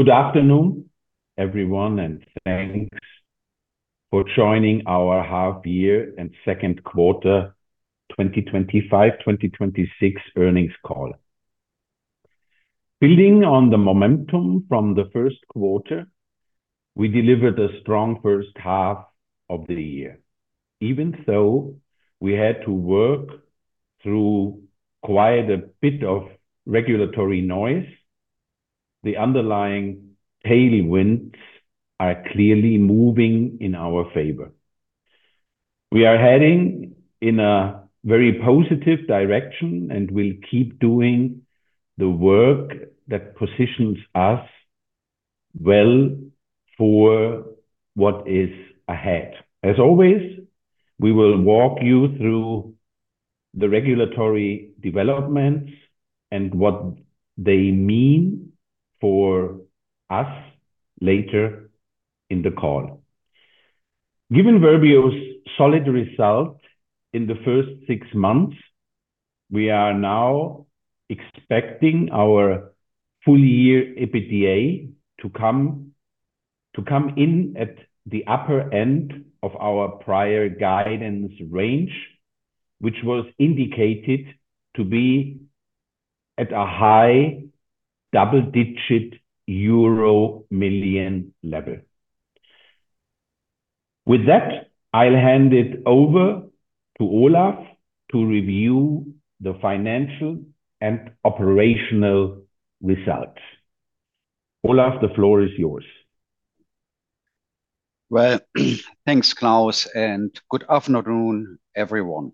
Good afternoon, everyone, and thanks for joining our half year and second quarter, 2025/2026 earnings call. Building on the momentum from the first quarter, we delivered a strong first half of the year. Even so, we had to work through quite a bit of regulatory noise. The underlying tailwinds are clearly moving in our favor. We are heading in a very positive direction, and we'll keep doing the work that positions us well for what is ahead. As always, we will walk you through the regulatory developments and what they mean for us later in the call. Given Verbio solid result in the first six months, we are now expecting our full year EBITDA to come in at the upper end of our prior guidance range, which was indicated to be at a high double-digit EUR million level. With that, I'll hand it over to Olaf to review the financial and operational results. Olaf, the floor is yours. Well, thanks, Claus, and good afternoon, everyone.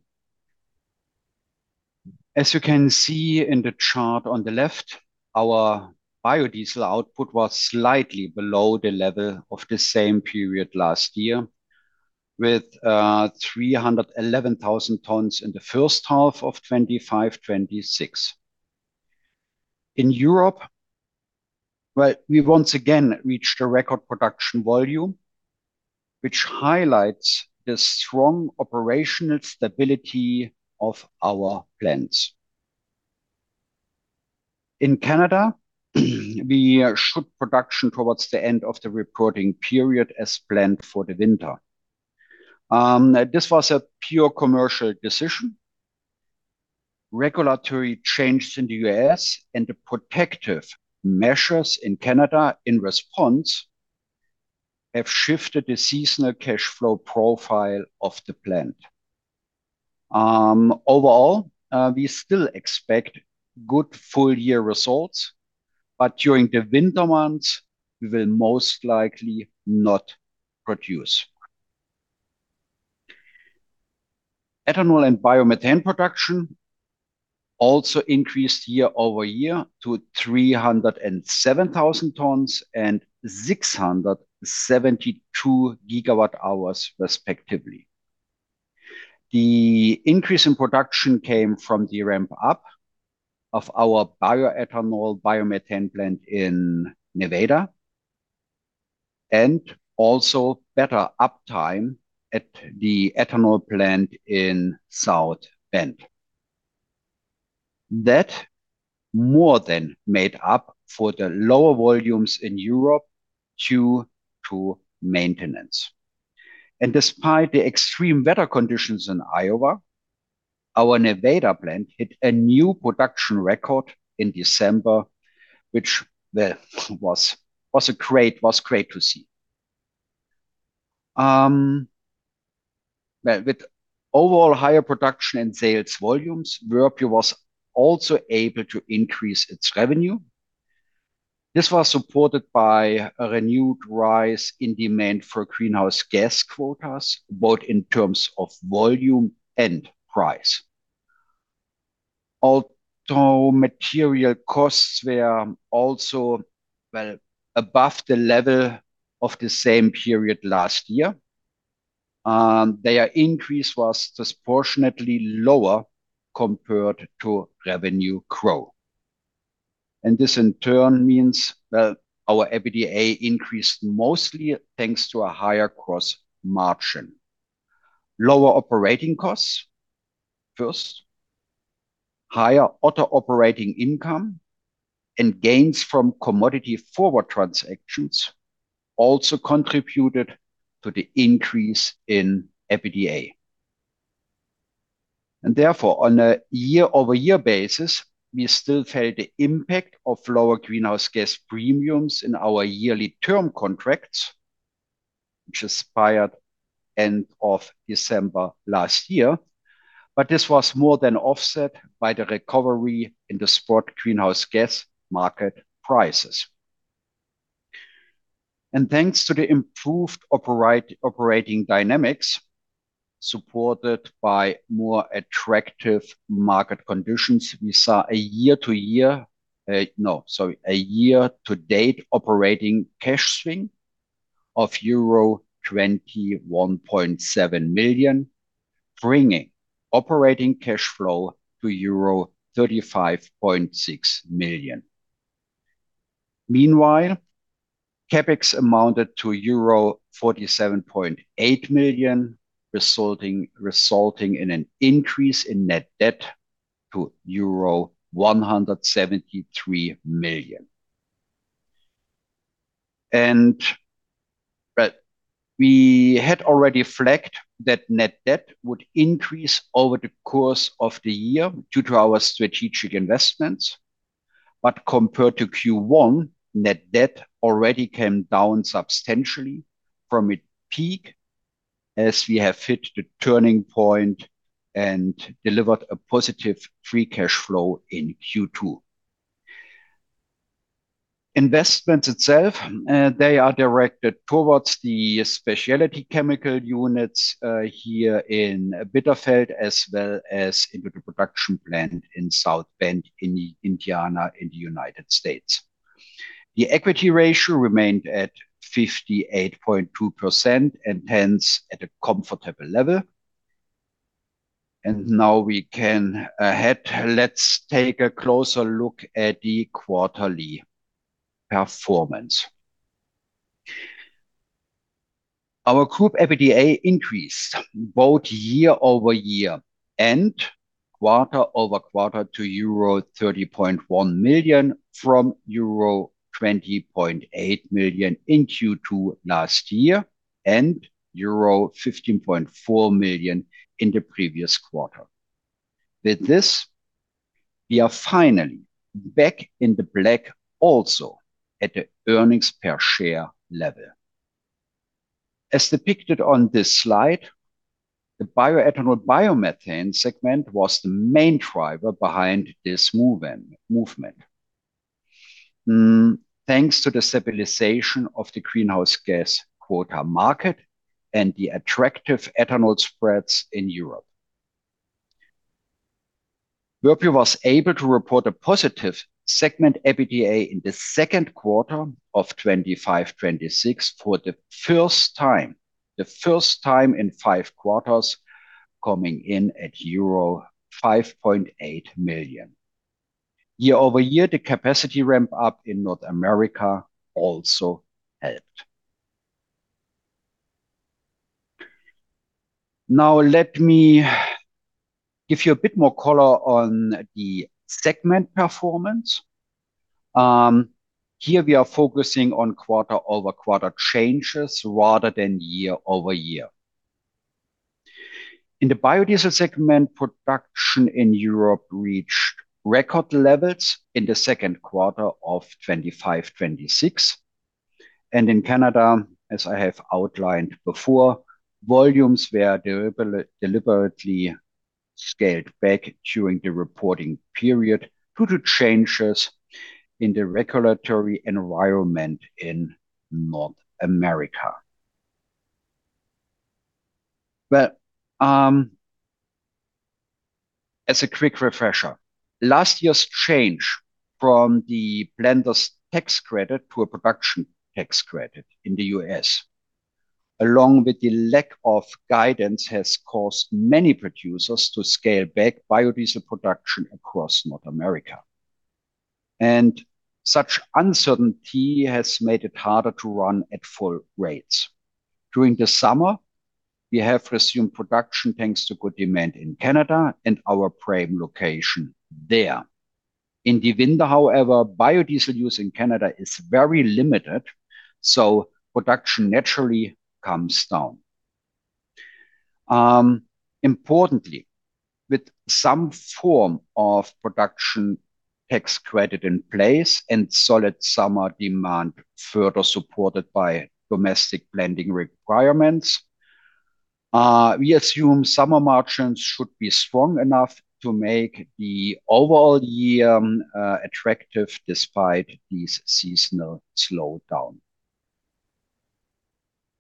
As you can see in the chart on the left, our biodiesel output was slightly below the level of the same period last year, with 311,000 tons in the first half of 2025/26. In Europe, well, we once again reached a record production volume, which highlights the strong operational stability of our plants. In Canada, we shut production towards the end of the reporting period as planned for the winter. This was a pure commercial decision. Regulatory changes in the U.S. and the protective measures in Canada in response, have shifted the seasonal cash flow profile of the plant. Overall, we still expect good full year results, but during the winter months, we will most likely not produce. Ethanol and biomethane production also increased year-over-year to 307,000 tons and 672 GWh, respectively. The increase in production came from the ramp-up of our bioethanol, biomethane plant in Nevada, and also better uptime at the ethanol plant in South Bend. That more than made up for the lower volumes in Europe due to maintenance. Despite the extreme weather conditions in Iowa, our Nevada plant hit a new production record in December, which was great to see. Well, with overall higher production and sales volumes, Verbio was also able to increase its revenue. This was supported by a renewed rise in demand for greenhouse gas quotas, both in terms of volume and price. Although material costs were also, well, above the level of the same period last year, their increase was disproportionately lower compared to revenue growth. This in turn means that our EBITDA increased mostly thanks to a higher gross margin. Lower operating costs, other operating income and gains from commodity forward transactions also contributed to the increase in EBITDA. Therefore, on a year-over-year basis, we still felt the impact of lower greenhouse gas premiums in our yearly term contracts, which expired end of December last year, but this was more than offset by the recovery in the spot greenhouse gas market prices. Thanks to the improved operating dynamics, supported by more attractive market conditions, we saw a year-to-date operating cash swing of euro 21.7 million, bringing operating cash flow to euro 35.6 million. Meanwhile-... CapEx amounted to euro 47.8 million, resulting in an increase in net debt to euro 173 million. But we had already flagged that net debt would increase over the course of the year due to our strategic investments. But compared to Q1, net debt already came down substantially from its peak, as we have hit the turning point and delivered a positive free cash flow in Q2. Investments itself, they are directed towards the specialty chemical units here in Bitterfeld, as well as into the production plant in South Bend, in Indiana, in the United States. The equity ratio remained at 58.2%, and hence, at a comfortable level. And now we can ahead. Let's take a closer look at the quarterly performance. Our group EBITDA increased both year-over-year and quarter-over-quarter to euro 30.1 million, from euro 20.8 million in Q2 last year, and euro 15.4 million in the previous quarter. With this, we are finally back in the black, also at the earnings per share level. As depicted on this slide, the bioethanol biomethane segment was the main driver behind this movement. Thanks to the stabilization of the greenhouse gas quota market and the attractive ethanol spreads in Europe. VERBIO was able to report a positive segment EBITDA in the second quarter of 2025, 2026 for the first time, the first time in 5 quarters, coming in at euro 5.8 million. Year-over-year, the capacity ramp-up in North America also helped. Now, let me give you a bit more color on the segment performance. Here we are focusing on quarter-over-quarter changes rather than year-over-year. In the biodiesel segment, production in Europe reached record levels in the second quarter of 2025-26. In Canada, as I have outlined before, volumes were deliberately scaled back during the reporting period due to changes in the regulatory environment in North America. Well, as a quick refresher, last year's change from the blender's tax credit to a Production Tax Credit in the U.S., along with the lack of guidance, has caused many producers to scale back biodiesel production across North America, and such uncertainty has made it harder to run at full rates. During the summer, we have resumed production, thanks to good demand in Canada and our prime location there. In the winter, however, biodiesel use in Canada is very limited, so production naturally comes down. Importantly, with some form of production tax credit in place and solid summer demand further supported by domestic blending requirements, we assume summer margins should be strong enough to make the overall year attractive despite this seasonal slowdown.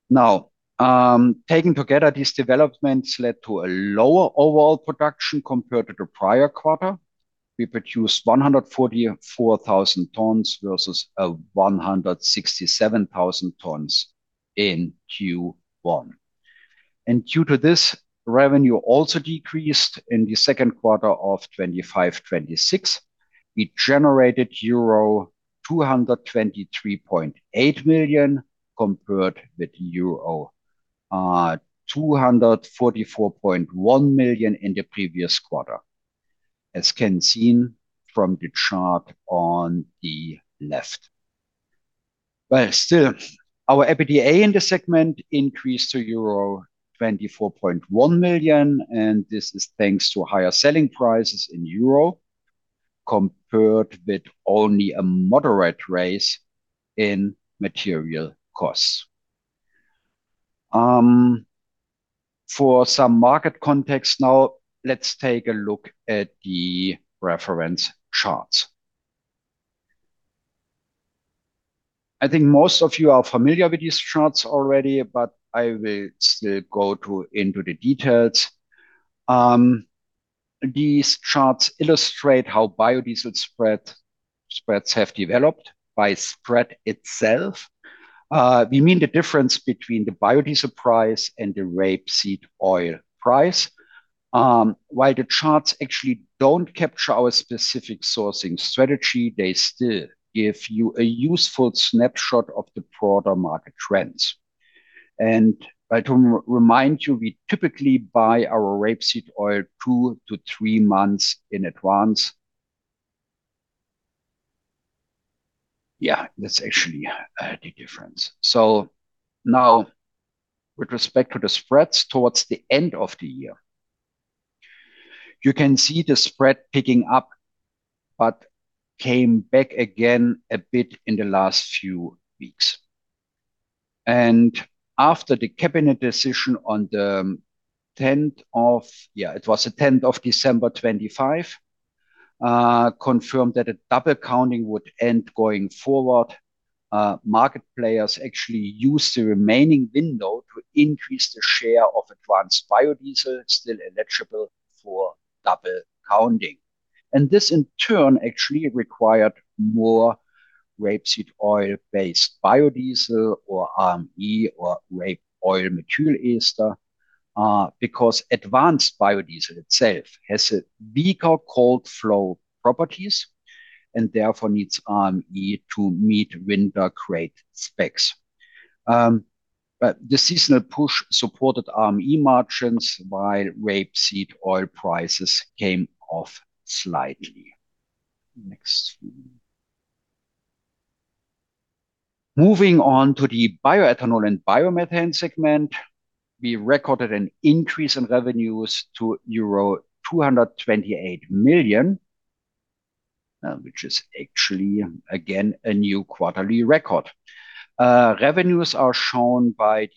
Now, taken together, these developments led to a lower overall production compared to the prior quarter. We produced 144,000 tons versus 167,000 tons in Q1. Due to this, revenue also decreased in the second quarter of 2025/26. We generated euro 223.8 million, compared with euro 244.1 million in the previous quarter, as can be seen from the chart on the left. Well, still, our EBITDA in the segment increased to euro 24.1 million, and this is thanks to higher selling prices in Europe, compared with only a moderate rise in material costs. For some market context, now, let's take a look at the reference charts. I think most of you are familiar with these charts already, but I will still go through into the details. These charts illustrate how biodiesel spread, spreads have developed. By spread itself, we mean the difference between the biodiesel price and the rapeseed oil price. While the charts actually don't capture our specific sourcing strategy, they still give you a useful snapshot of the broader market trends. And I to remind you, we typically buy our rapeseed oil 2-3 months in advance. Yeah, that's actually, the difference. So now, with respect to the spreads towards the end of the year, you can see the spread picking up, but came back again a bit in the last few weeks. After the cabinet decision on the tenth of-- Yeah, it was the tenth of December 2025, confirmed that a double counting would end going forward. Market players actually used the remaining window to increase the share of advanced biodiesel still eligible for double counting. And this, in turn, actually required more rapeseed oil-based biodiesel or RME, or rape oil methyl ester, because advanced biodiesel itself has a weaker cold flow properties and therefore needs RME to meet winter grade specs. But the seasonal push supported RME margins, while rapeseed oil prices came off slightly. Next slide. Moving on to the bioethanol and biomethane segment, we recorded an increase in revenues to euro 228 million, which is actually, again, a new quarterly record. Revenues are shown by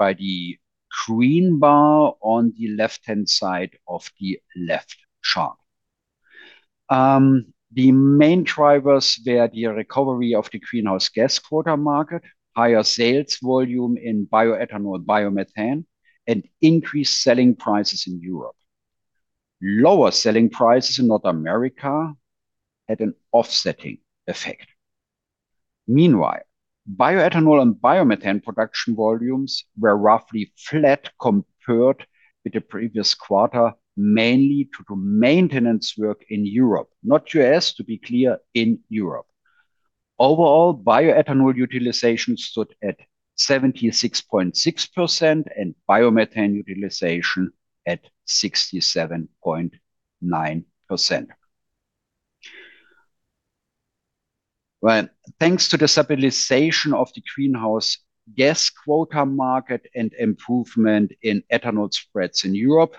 the green bar on the left-hand side of the left chart. The main drivers were the recovery of the greenhouse gas quota market, higher sales volume in bioethanol, biomethane, and increased selling prices in Europe. Lower selling prices in North America had an offsetting effect. Meanwhile, bioethanol and biomethane production volumes were roughly flat compared with the previous quarter, mainly to the maintenance work in Europe, not US, to be clear, in Europe. Overall, bioethanol utilization stood at 76.6%, and biomethane utilization at 67.9%. Well, thanks to the stabilization of the greenhouse gas quota market and improvement in ethanol spreads in Europe,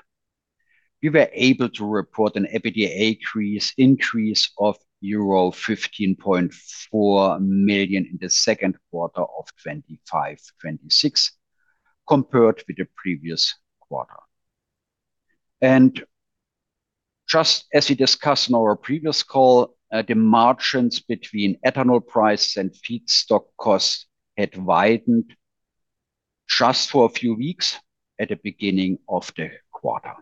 we were able to report an EBITDA increase, increase of euro 15.4 million in the second quarter of 25/26, compared with the previous quarter. Just as we discussed in our previous call, the margins between ethanol prices and feedstock costs had widened just for a few weeks at the beginning of the quarter.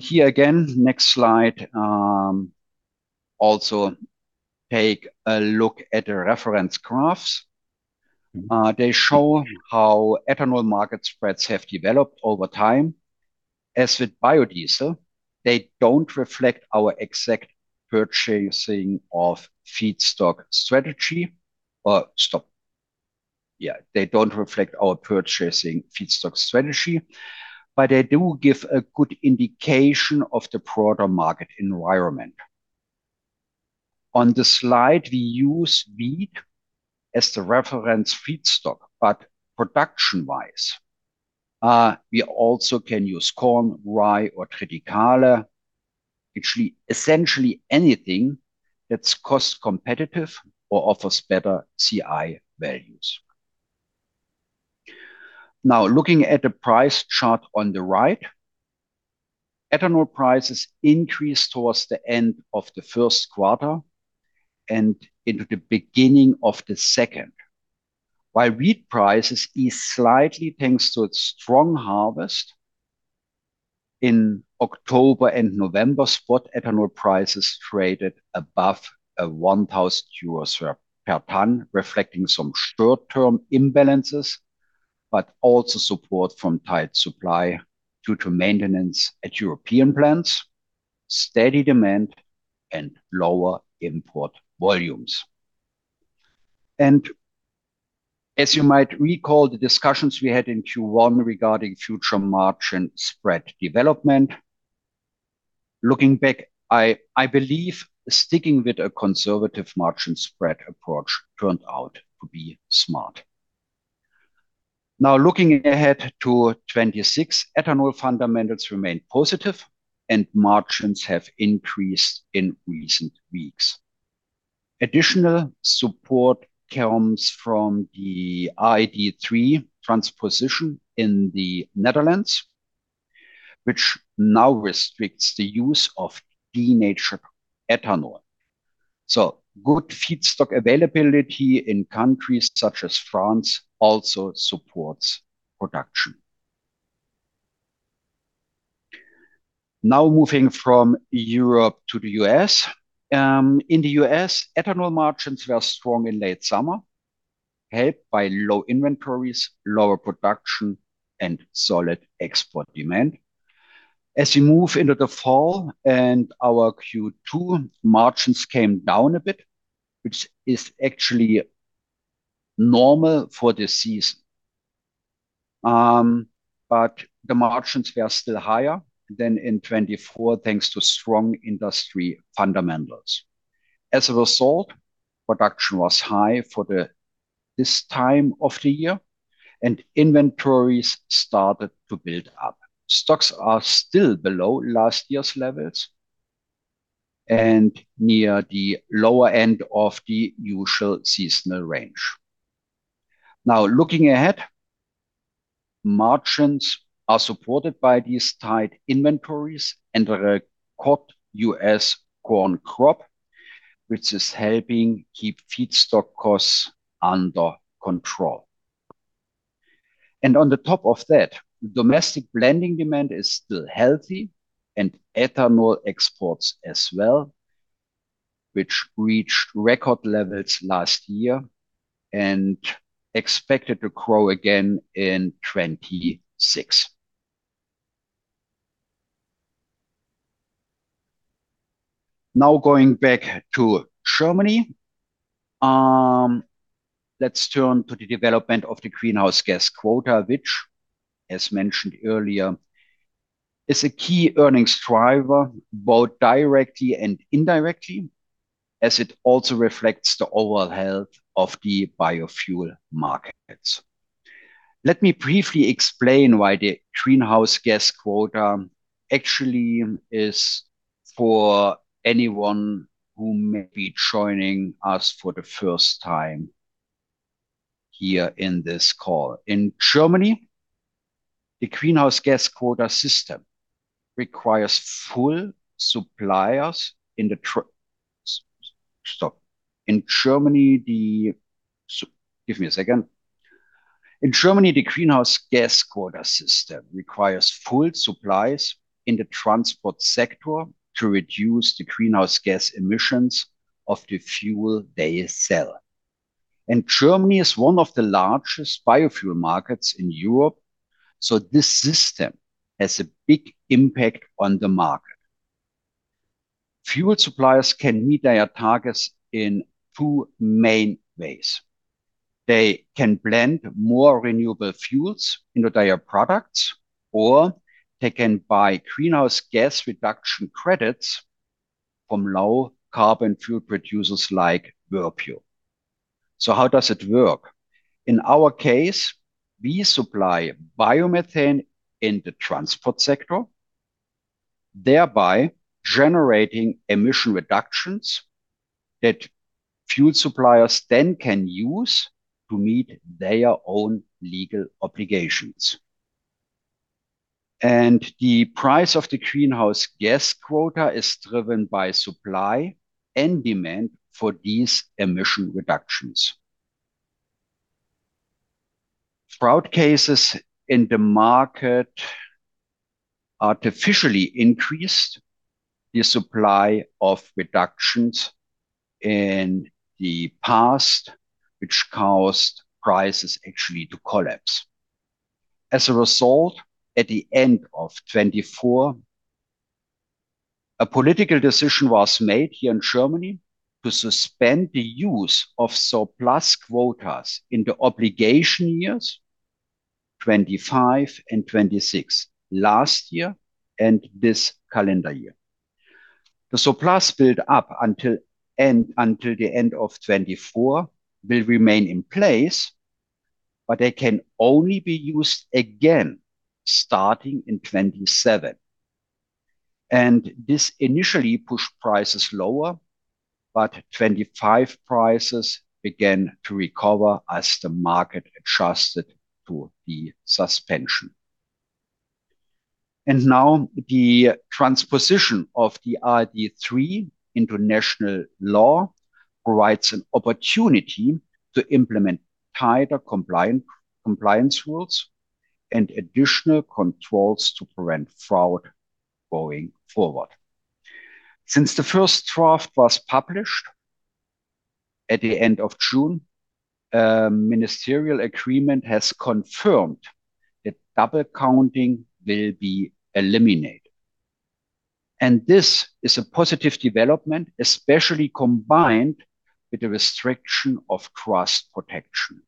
Here again, next slide, also take a look at the reference graphs. They show how ethanol market spreads have developed over time. As with biodiesel, they don't reflect our exact purchasing of feedstock strategy. They don't reflect our purchasing feedstock strategy, but they do give a good indication of the broader market environment. On the slide, we use wheat as the reference feedstock, but production-wise, we also can use corn, rye, or triticale. Actually, essentially anything that's cost competitive or offers better CI values. Now, looking at the price chart on the right, ethanol prices increased towards the end of the first quarter and into the beginning of the second. While wheat prices is slightly thanks to its strong harvest, in October and November, spot ethanol prices traded above 1,000 euros per ton, reflecting some short-term imbalances, but also support from tight supply due to maintenance at European plants, steady demand and lower import volumes. As you might recall, the discussions we had in Q1 regarding future margin spread development, looking back, I believe sticking with a conservative margin spread approach turned out to be smart. Now, looking ahead to 2026, ethanol fundamentals remain positive and margins have increased in recent weeks. Additional support comes from the RED III transposition in the Netherlands, which now restricts the use of denatured ethanol. So good feedstock availability in countries such as France also supports production. Now moving from Europe to the U.S. In the U.S., ethanol margins were strong in late summer, helped by low inventories, lower production, and solid export demand. As we move into the fall and our Q2, margins came down a bit, which is actually normal for the season. But the margins were still higher than in 2024, thanks to strong industry fundamentals. As a result, production was high for this time of the year, and inventories started to build up. Stocks are still below last year's levels and near the lower end of the usual seasonal range. Now looking ahead, margins are supported by these tight inventories and the record U.S. corn crop, which is helping keep feedstock costs under control. And on the top of that, domestic blending demand is still healthy, and ethanol exports as well, which reached record levels last year and expected to grow again in 2026. Now, going back to Germany, let's turn to the development of the greenhouse gas quota, which, as mentioned earlier, is a key earnings driver, both directly and indirectly, as it also reflects the overall health of the biofuel markets. Let me briefly explain why the greenhouse gas quota actually is for anyone who may be joining us for the first time here in this call. In Germany, the greenhouse gas quota system requires fuel suppliers. Give me a second. In Germany, the Greenhouse Gas Quota system requires fuel suppliers in the transport sector to reduce the greenhouse gas emissions of the fuel they sell. Germany is one of the largest biofuel markets in Europe, so this system has a big impact on the market. Fuel suppliers can meet their targets in two main ways: They can blend more renewable fuels into their products, or they can buy greenhouse gas reduction credits from low carbon fuel producers like VERBIO. So how does it work? In our case, we supply biomethane in the transport sector, thereby generating emission reductions that fuel suppliers then can use to meet their own legal obligations. The price of the Greenhouse Gas Quota is driven by supply and demand for these emission reductions. Fraud cases in the market artificially increased the supply of reductions in the past, which caused prices actually to collapse. As a result, at the end of 2024, a political decision was made here in Germany to suspend the use of surplus quotas in the obligation years, 2025 and 2026, last year and this calendar year. The surplus build up until the end of 2024 will remain in place, but they can only be used again starting in 2027, and this initially pushed prices lower, but 2025 prices began to recover as the market adjusted to the suspension. And now the transposition of the RED III into national law provides an opportunity to implement tighter compliance rules and additional controls to prevent fraud going forward. Since the first draft was published at the end of June, a ministerial agreement has confirmed that double counting will be eliminated, and this is a positive development, especially combined with the restriction of cross protection.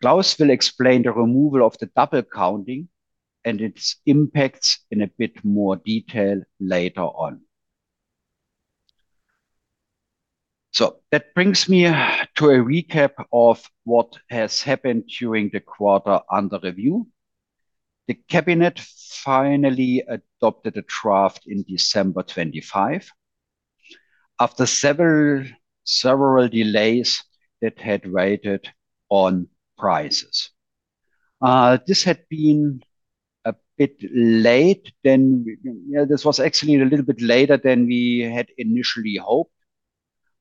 Claus will explain the removal of the double counting and its impacts in a bit more detail later on. That brings me to a recap of what has happened during the quarter under review. The cabinet finally adopted a draft in December 25, after several, several delays that had waited on prices. This had been a bit late then... Yeah, this was actually a little bit later than we had initially hoped....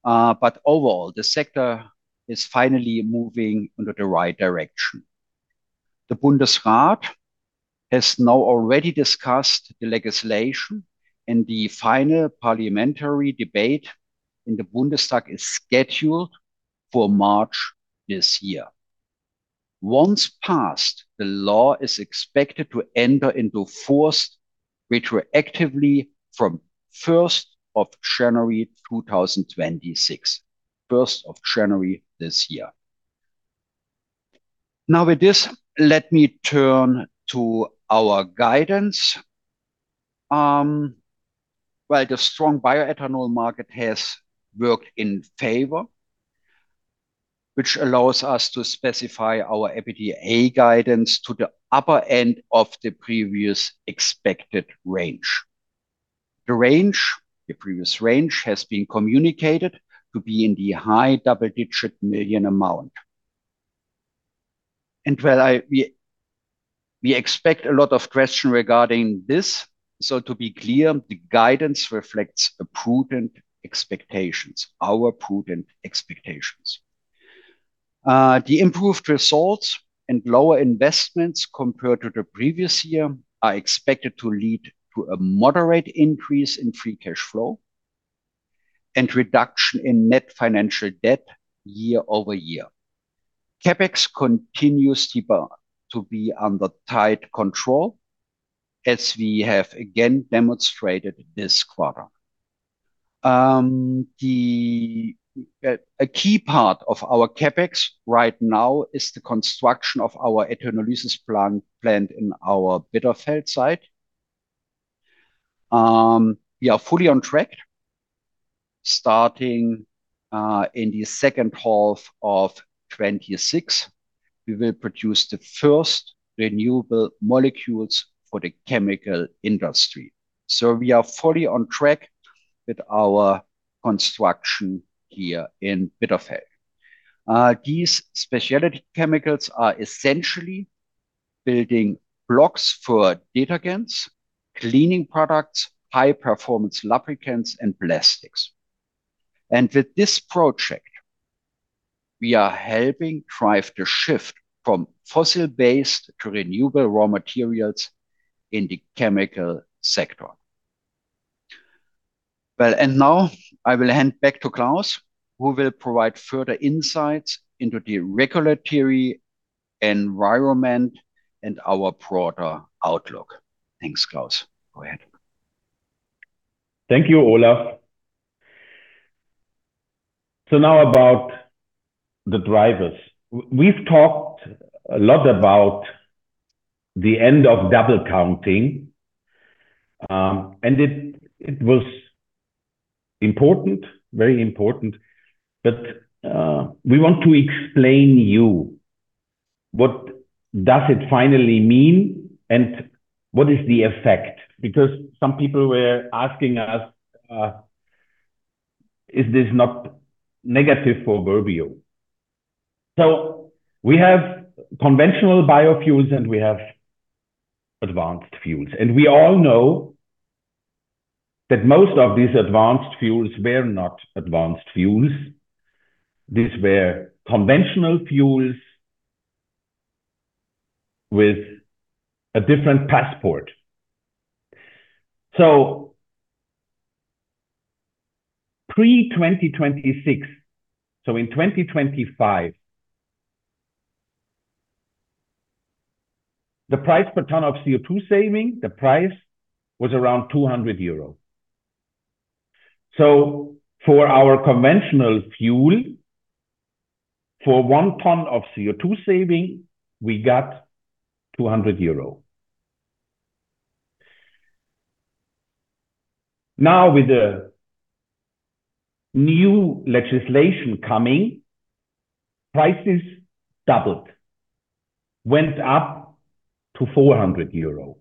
But overall, the sector is finally moving into the right direction. The Bundesrat has now already discussed the legislation, and the final parliamentary debate in the Bundestag is scheduled for March this year. Once passed, the law is expected to enter into force retroactively from first of January, 2026. First of January this year. Now, with this, let me turn to our guidance. Well, the strong bioethanol market has worked in favor, which allows us to specify our EBITDA guidance to the upper end of the previous expected range. The range, the previous range, has been communicated to be in the high double-digit million EUR amount. Well, we expect a lot of questions regarding this, so to be clear, the guidance reflects our prudent expectations. The improved results and lower investments compared to the previous year are expected to lead to a moderate increase in free cash flow, and reduction in net financial debt year-over-year. CapEx continues to be under tight control, as we have again demonstrated this quarter. A key part of our CapEx right now is the construction of our ethanolysis plant in our Bitterfeld site. We are fully on track, starting in the second half of 2026, we will produce the first renewable molecules for the chemical industry. So we are fully on track with our construction here in Bitterfeld. These specialty chemicals are essentially building blocks for detergents, cleaning products, high-performance lubricants, and plastics. And with this project, we are helping drive the shift from fossil-based to renewable raw materials in the chemical sector. Well, now I will hand back to Claus, who will provide further insights into the regulatory environment and our broader outlook. Thanks, Claus. Go ahead. Thank you, Olaf. So now about the drivers. We've talked a lot about the end of double counting, and it was important, very important. But we want to explain you, what does it finally mean, and what is the effect? Because some people were asking us, "Is this not negative for Verbio?" So we have conventional biofuels, and we have advanced fuels, and we all know that most of these advanced fuels were not advanced fuels. These were conventional fuels with a different passport. So pre-2026, so in 2025, the price per ton of CO2 saving, the price was around 200 euros. So for our conventional fuel, for one ton of CO2 saving, we got EUR 200. Now, with the new legislation coming, prices doubled, went up to 400 euro.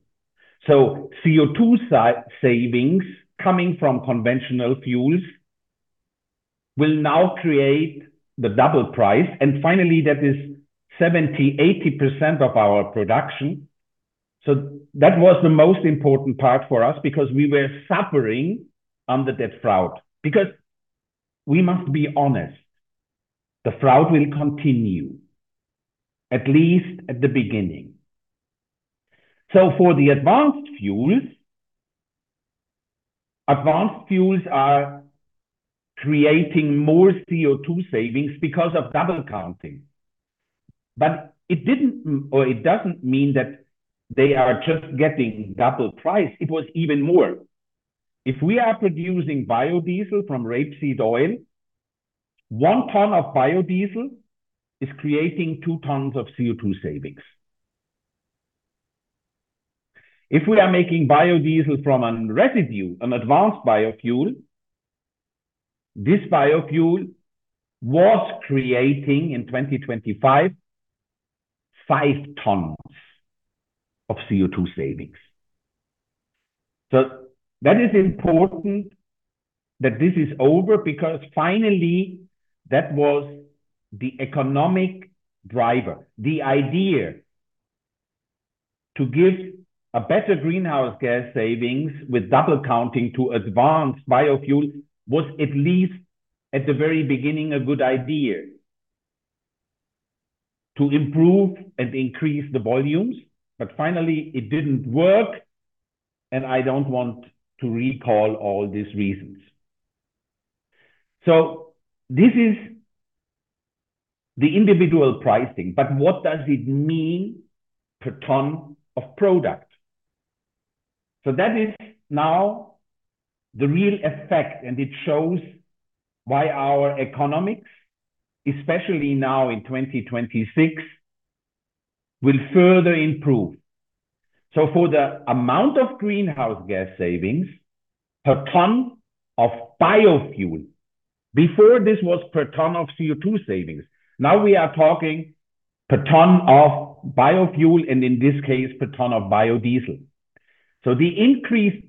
So CO2 savings coming from conventional fuels will now create the double price, and finally, that is 70%-80% of our production. So that was the most important part for us, because we were suffering under that fraud. Because we must be honest, the fraud will continue, at least at the beginning. So for the advanced fuels, advanced fuels are creating more CO2 savings because of double counting. But it didn't, or it doesn't mean that they are just getting double price. It was even more. If we are producing biodiesel from rapeseed oil, one ton of biodiesel is creating two tons of CO2 savings. If we are making biodiesel from a residue, an advanced biofuel, this biofuel was creating, in 2025, five tons of CO2 savings. So that is important that this is over, because finally, that was the economic driver, the idea-... to give a better greenhouse gas savings with double counting to advanced biofuels was at least, at the very beginning, a good idea to improve and increase the volumes, but finally it didn't work, and I don't want to recall all these reasons. So this is the individual pricing, but what does it mean per ton of product? So that is now the real effect, and it shows why our economics, especially now in 2026, will further improve. So for the amount of greenhouse gas savings per ton of biofuel, before this was per ton of CO2 savings, now we are talking per ton of biofuel, and in this case, per ton of biodiesel. So the increase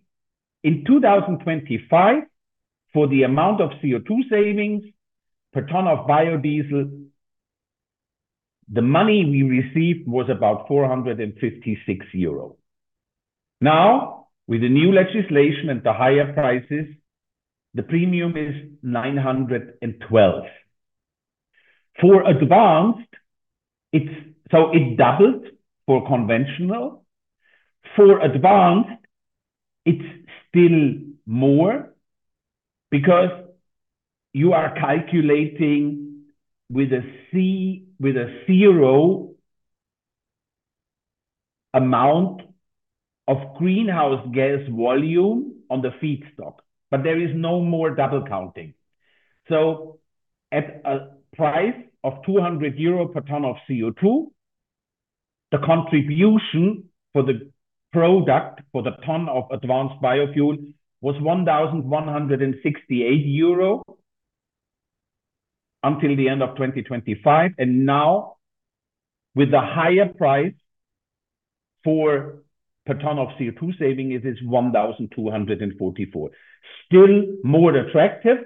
in 2025 for the amount of CO2 savings per ton of biodiesel, the money we received was about 456 euro. Now, with the new legislation and the higher prices, the premium is 912. For advanced, it's so it doubled for conventional. For advanced, it's still more because you are calculating with a C, with a zero amount of greenhouse gas volume on the feedstock, but there is no more double counting. So at a price of 200 euro per ton of CO2, the contribution for the product, for the ton of advanced biofuel, was 1,168 euro until the end of 2025, and now with the higher price for per ton of CO2 saving, it is 1,244. Still more attractive,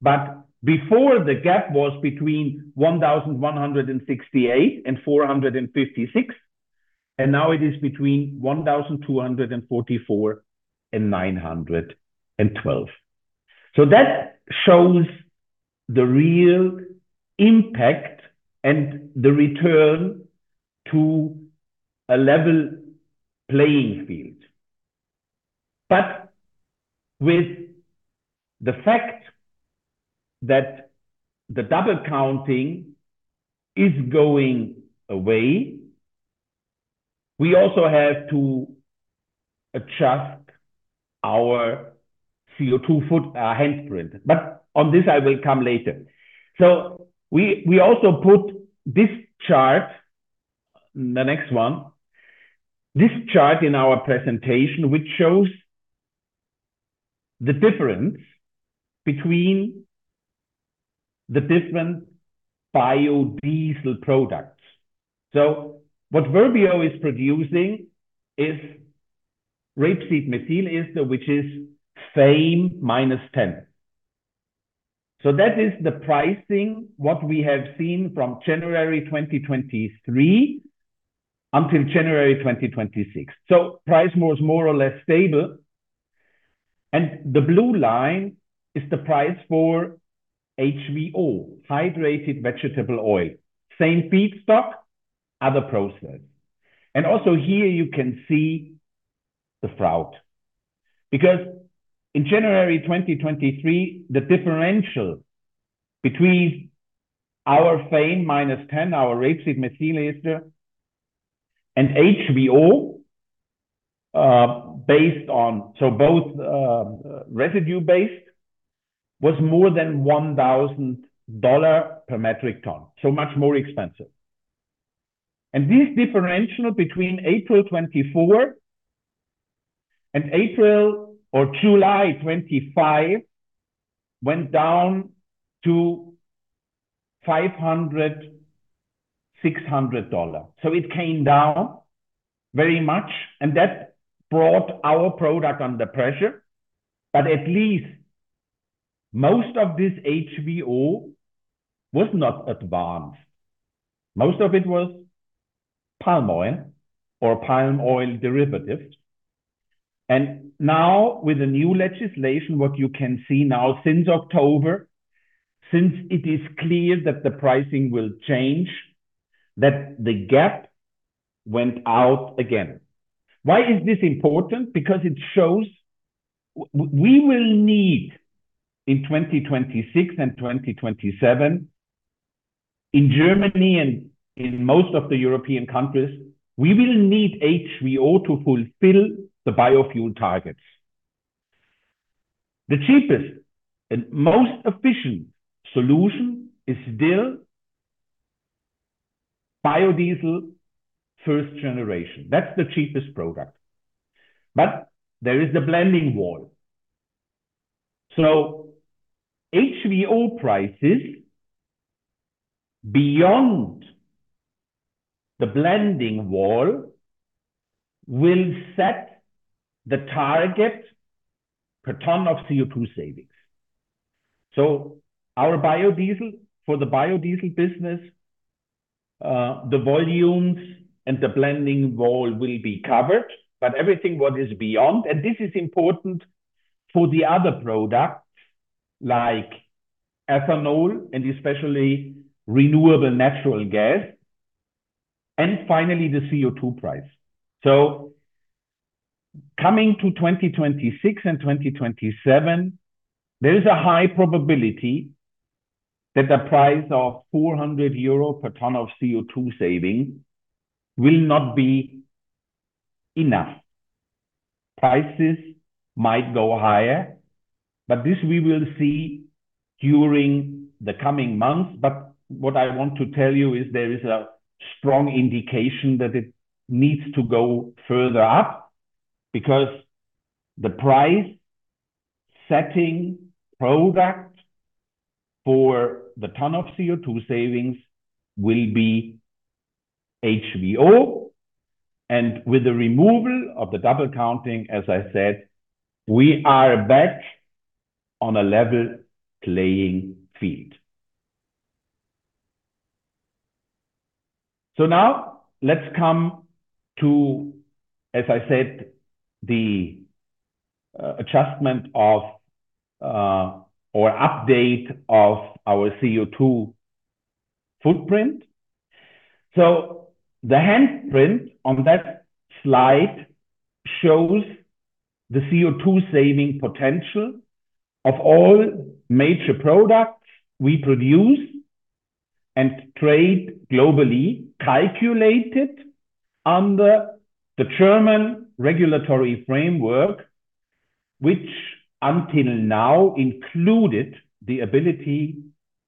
but before the gap was between 1,168 and 456, and now it is between 1,244 and EUR 912. That shows the real impact and the return to a level playing field. But with the fact that the double counting is going away, we also have to adjust our CO2 footprint, handprint, but on this I will come later. We also put this chart, the next one, this chart in our presentation, which shows the difference between the different biodiesel products. What VERBIO is producing is rapeseed methyl ester, which is FAME minus ten. That is the pricing, what we have seen from January 2023 until January 2026. Price was more or less stable, and the blue line is the price for HVO, hydrotreated vegetable oil. Same feedstock, other process. And also here you can see the drought, because in January 2023, the differential between our FAME minus ten, our rapeseed methyl ester, and HVO, based on so both residue-based, was more than $1,000 per metric ton, so much more expensive. This differential between April 2024 and April or July 2025 went down to $500-$600. It came down very much, and that brought our product under pressure. But at least most of this HVO was not advanced. Most of it was palm oil or palm oil derivative. Now with the new legislation, what you can see now since October, since it is clear that the pricing will change, that the gap went out again. Why is this important? Because it shows we will need in 2026 and 2027, in Germany and in most of the European countries, we will need HVO to fulfill the biofuel targets. The cheapest and most efficient solution is still biodiesel first generation. That's the cheapest product. But there is a blending wall. So HVO prices beyond the blending wall will set the target per ton of CO2 savings. So our biodiesel, for the biodiesel business, the volumes and the blending role will be covered, but everything what is beyond, and this is important for the other products like ethanol, and especially renewable natural gas, and finally, the CO2 price. So coming to 2026 and 2027, there is a high probability that the price of 400 euro per ton of CO2 saving will not be enough. Prices might go higher, but this we will see during the coming months. But what I want to tell you is there is a strong indication that it needs to go further up, because the price-setting product for the ton of CO2 savings will be HVO. And with the removal of the double counting, as I said, we are back on a level playing field. So now let's come to, as I said, the adjustment of, or update of our CO2 footprint. So the handprint on that slide shows the CO2 saving potential of all major products we produce and trade globally, calculated under the German regulatory framework, which until now included the ability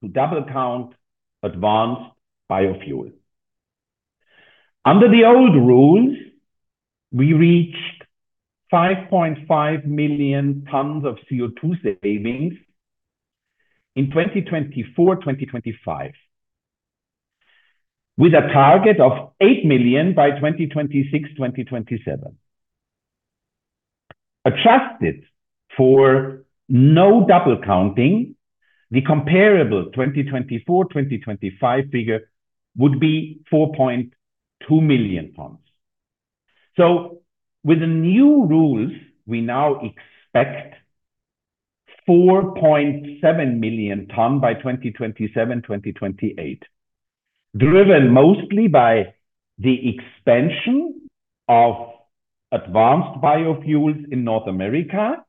to double count advanced biofuel. Under the old rules, we reached 5.5 million tons of CO2 savings in 2024, 2025, with a target of 8 million by 2026, 2027. Adjusted for no double counting, the comparable 2024, 2025 figure would be 4.2 million tons. So with the new rules, we now expect 4.7 million ton by 2027, 2028, driven mostly by the expansion of advanced biofuels in North America,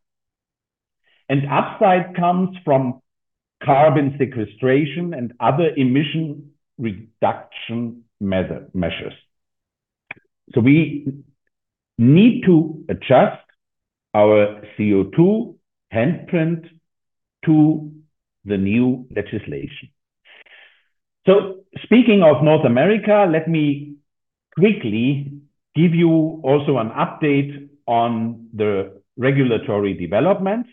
and upside comes from carbon sequestration and other emission reduction measures. So we need to adjust our CO2 handprint to the new legislation. So speaking of North America, let me quickly give you also an update on the regulatory developments.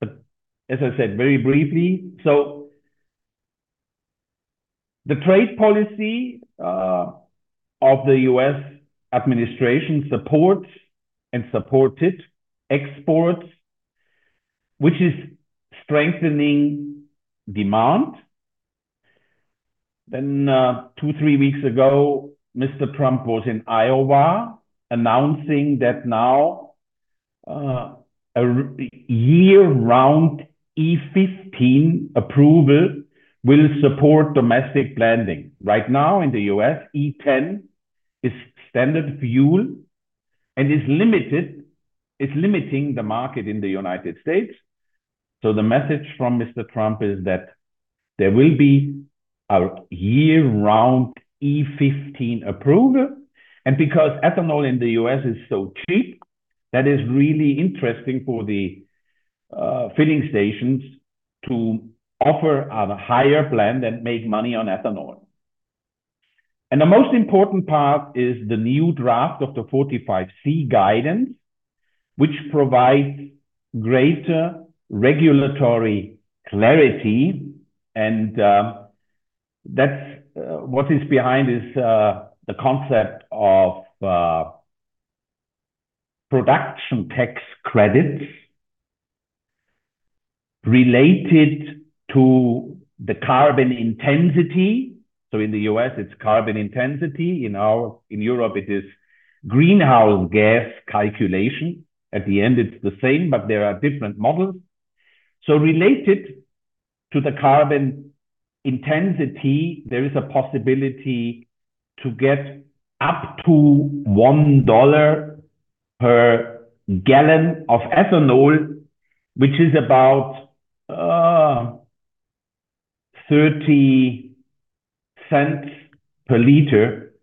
But as I said, very briefly. So the trade policy of the U.S. administration supports and supported exports, which is strengthening demand. Then, two, three weeks ago, Mr. Trump was in Iowa announcing that now, a year-round E-15 approval will support domestic blending. Right now, in the U.S., E-10 is standard fuel and it's limiting the market in the United States. So the message from Mr. Trump is that there will be a year-round E-15 approval, and because ethanol in the U.S. is so cheap, that is really interesting for the filling stations to offer at a higher blend and make money on ethanol. And the most important part is the new draft of the 45Z guidance, which provides greater regulatory clarity and that's what is behind is the concept of production tax credits related to the carbon intensity. So in the U.S., it's carbon intensity. In Europe, it is greenhouse gas calculation. At the end, it's the same, but there are different models. So related to the carbon intensity, there is a possibility to get up to $1 per gallon of ethanol, which is about $0.30 per liter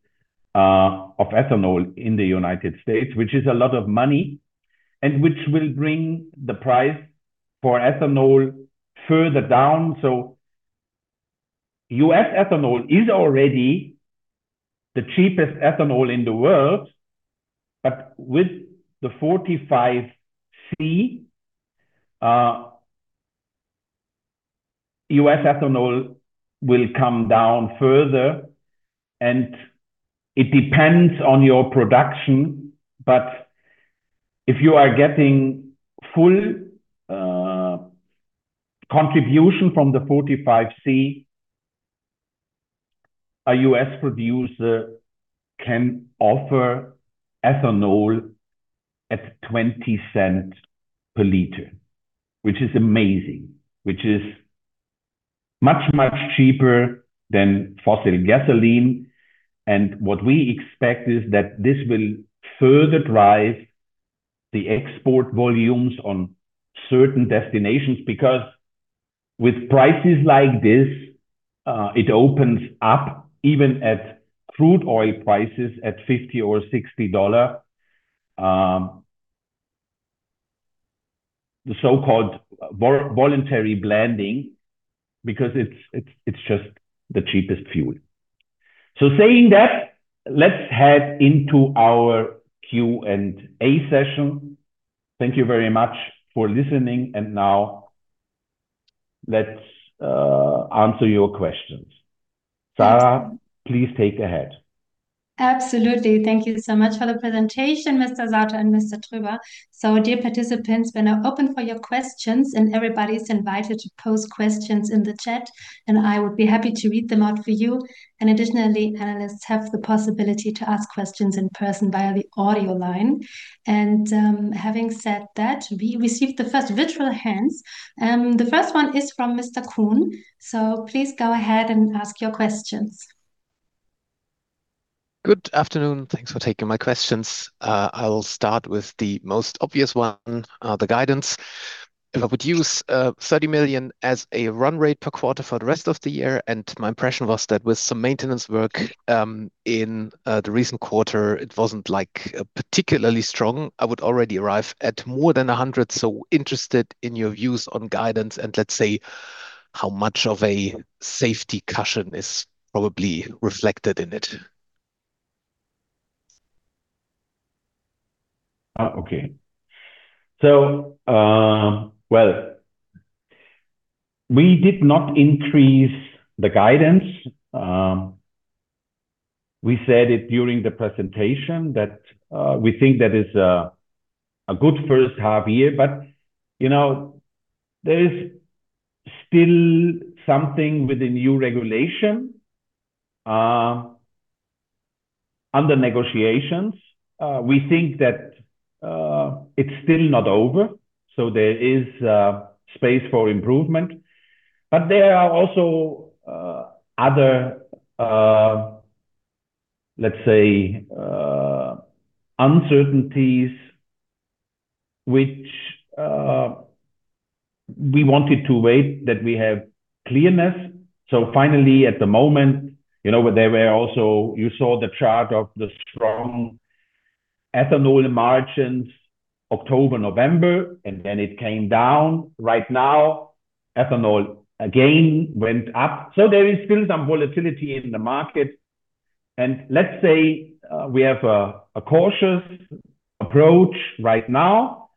of ethanol in the United States, which is a lot of money, and which will bring the price for ethanol further down. So U.S. ethanol is already the cheapest ethanol in the world, but with the 45Z, U.S. ethanol will come down further, and it depends on your production, but if you are getting full contribution from the 45Z, a U.S. producer can offer ethanol at $0.20 per liter, which is amazing, which is much, much cheaper than fossil gasoline. What we expect is that this will further drive the export volumes on certain destinations, because with prices like this, it opens up even at crude oil prices at $50 or $60 dollar, the so-called voluntary blending, because it's, it's, it's just the cheapest fuel. Saying that, let's head into our Q&A session. Thank you very much for listening, and now let's answer your questions. Sarah, please take the head. Absolutely. Thank you so much for the presentation, Mr. Sauter and Mr. Tröber. So dear participants, we're now open for your questions, and everybody is invited to post questions in the chat, and I would be happy to read them out for you. And having said that, we received the first virtual hands, and the first one is from Mr. Kroon. So please go ahead and ask your questions. Good afternoon. Thanks for taking my questions. I'll start with the most obvious one, the guidance. I would use 30 million as a run rate per quarter for the rest of the year, and my impression was that with some maintenance work in the recent quarter, it wasn't like particularly strong. I would already arrive at more than 100, so interested in your views on guidance, and let's say, how much of a safety cushion is probably reflected in it? Okay. So, well, we did not increase the guidance. We said it during the presentation that we think that is a good first half year, but, you know, there is still something with the new regulation under negotiations. We think that it's still not over, so there is space for improvement. But there are also other, let's say, uncertainties which we wanted to wait that we have clearness. So finally, at the moment, you know, there were also, you saw the chart of the strong ethanol margins, October, November, and then it came down. Right now, ethanol again went up. So there is still some volatility in the market, and let's say, we have a cautious approach right now.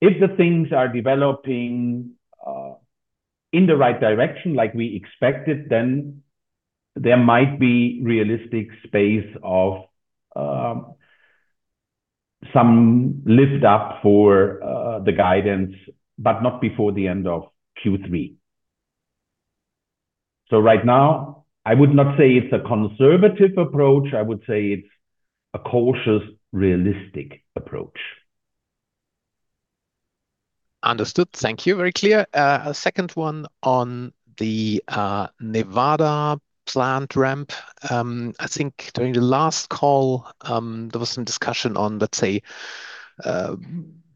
If the things are developing in the right direction like we expected, then there might be realistic space of some lift up for the guidance, but not before the end of Q3. So right now, I would not say it's a conservative approach, I would say it's a cautious, realistic approach. Understood. Thank you. Very clear. A second one on the Nevada plant ramp. I think during the last call, there was some discussion on, let's say,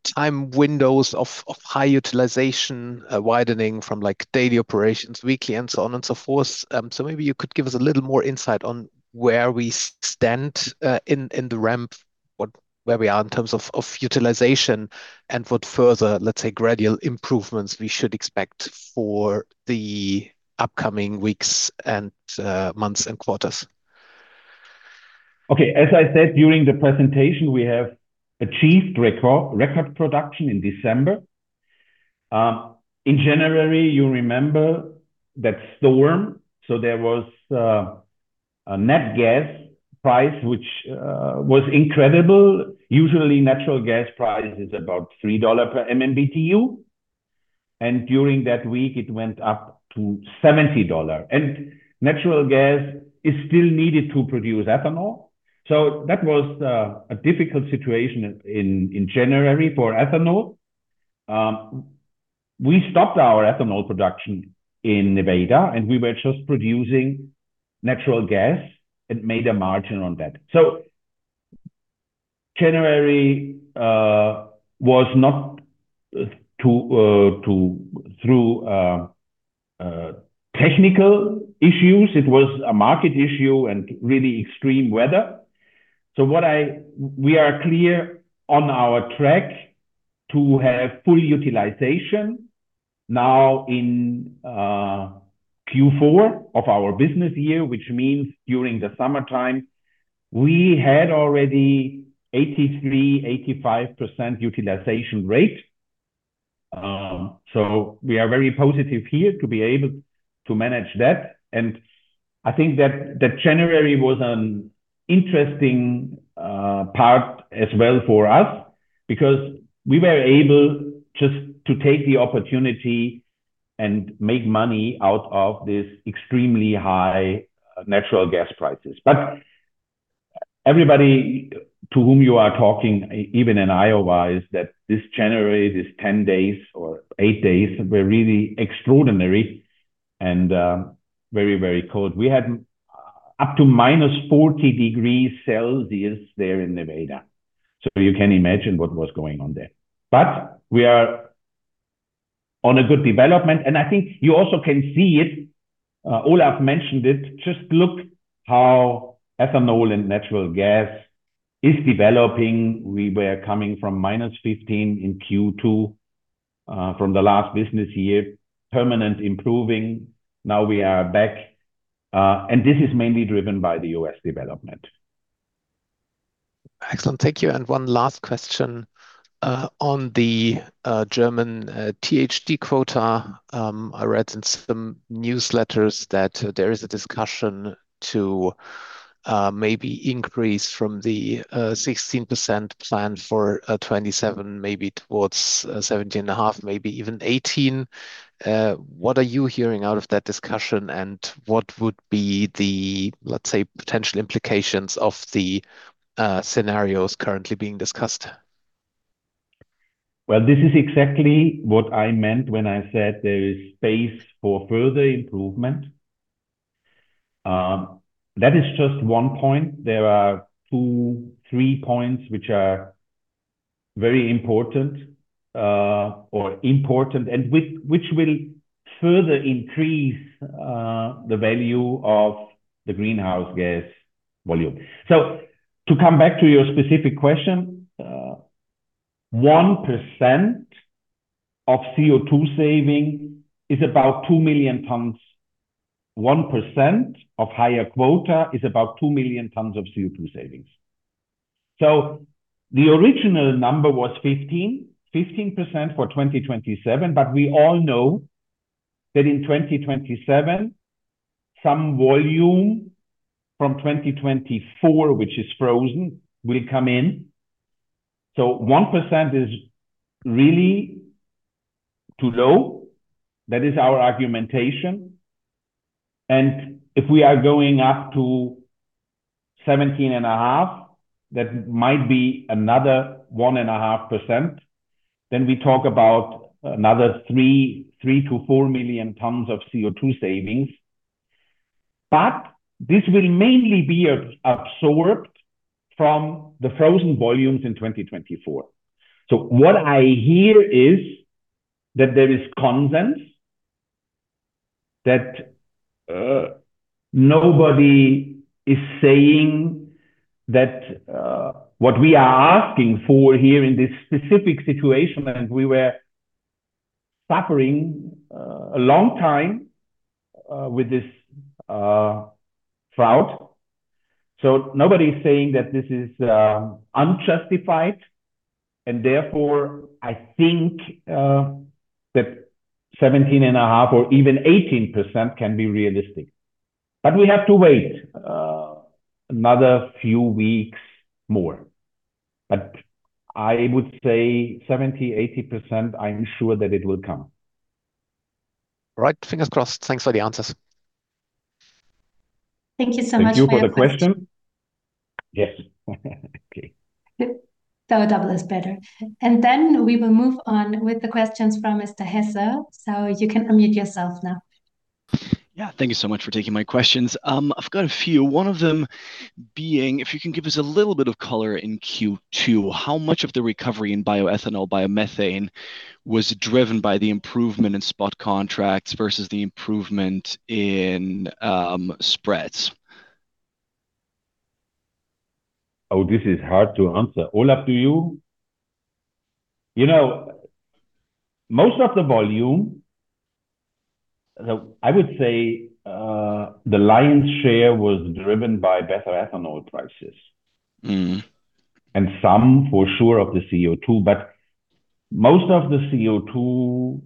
time windows of high utilization, widening from, like, daily operations, weekly, and so on and so forth. So maybe you could give us a little more insight on where we stand in the ramp, what, where we are in terms of utilization, and what further, let's say, gradual improvements we should expect for the upcoming weeks and months and quarters. Okay. As I said, during the presentation, we have achieved record, record production in December. In January, you remember that storm, so there was a natural gas price, which was incredible. Usually, natural gas price is about $3 per MMBTU, and during that week, it went up to $70. And natural gas is still needed to produce ethanol, so that was a difficult situation in January for ethanol. We stopped our ethanol production in Nevada, and we were just producing natural gas and made a margin on that. So January was not due to technical issues, it was a market issue and really extreme weather. So what we are clear on our track to have full utilization now in Q4 of our business year, which means during the summertime, we had already 83%-85% utilization rate. So we are very positive here to be able to manage that, and I think that January was an interesting part as well for us, because we were able just to take the opportunity and make money out of this extremely high natural gas prices. But everybody to whom you are talking, even in Iowa, is that this January, this 10 days or 8 days, were really extraordinary and very, very cold. We had up to minus 40 degrees Celsius there in Nevada, so you can imagine what was going on there. But we are on a good development, and I think you also can see it. Olaf mentioned it, just look how ethanol and natural gas is developing. We were coming from minus 15 in Q2, from the last business year, permanent improving. Now we are back, and this is mainly driven by the U.S. development. Excellent. Thank you, and one last question. On the German THG quota, I read in some newsletters that there is a discussion to maybe increase from the 16% plan for 2027, maybe towards 17.5, maybe even 18. What are you hearing out of that discussion, and what would be the, let's say, potential implications of the scenarios currently being discussed? Well, this is exactly what I meant when I said there is space for further improvement. That is just one point. There are two, three points which are very important, or important, and which, which will further increase the value of the greenhouse gas volume. So to come back to your specific question, 1% of CO2 saving is about 2 million tons. 1% of higher quota is about 2 million tons of CO2 savings. So the original number was 15, 15% for 2027, but we all know that in 2027, some volume from 2024, which is frozen, will come in. So 1% is really too low. That is our argumentation, and if we are going up to 17.5, that might be another 1.5%, then we talk about another 3-4 million tons of CO2 savings. But this will mainly be absorbed from the frozen volumes in 2024. So what I hear is that there is consensus that nobody is saying that what we are asking for here in this specific situation, and we were suffering a long time with this drought. So nobody is saying that this is unjustified, and therefore, I think that 17.5 or even 18% can be realistic. But we have to wait another few weeks more. But I would say 70-80%, I'm sure that it will come. All right. Fingers crossed. Thanks for the answers. Thank you so much for your question. Thank you for the question. Yes. Okay. The double is better. Then we will move on with the questions from Mr. Hesse, so you can unmute yourself now. Yeah, thank you so much for taking my questions. I've got a few. One of them being, if you can give us a little bit of color in Q2, how much of the recovery in bioethanol, biomethane, was driven by the improvement in spot contracts versus the improvement in, spreads? Oh, this is hard to answer. Olaf, to you. You know, most of the volume, I would say, the lion's share was driven by better ethanol prices. Mm-hmm. And some for sure, of the CO2, but most of the CO2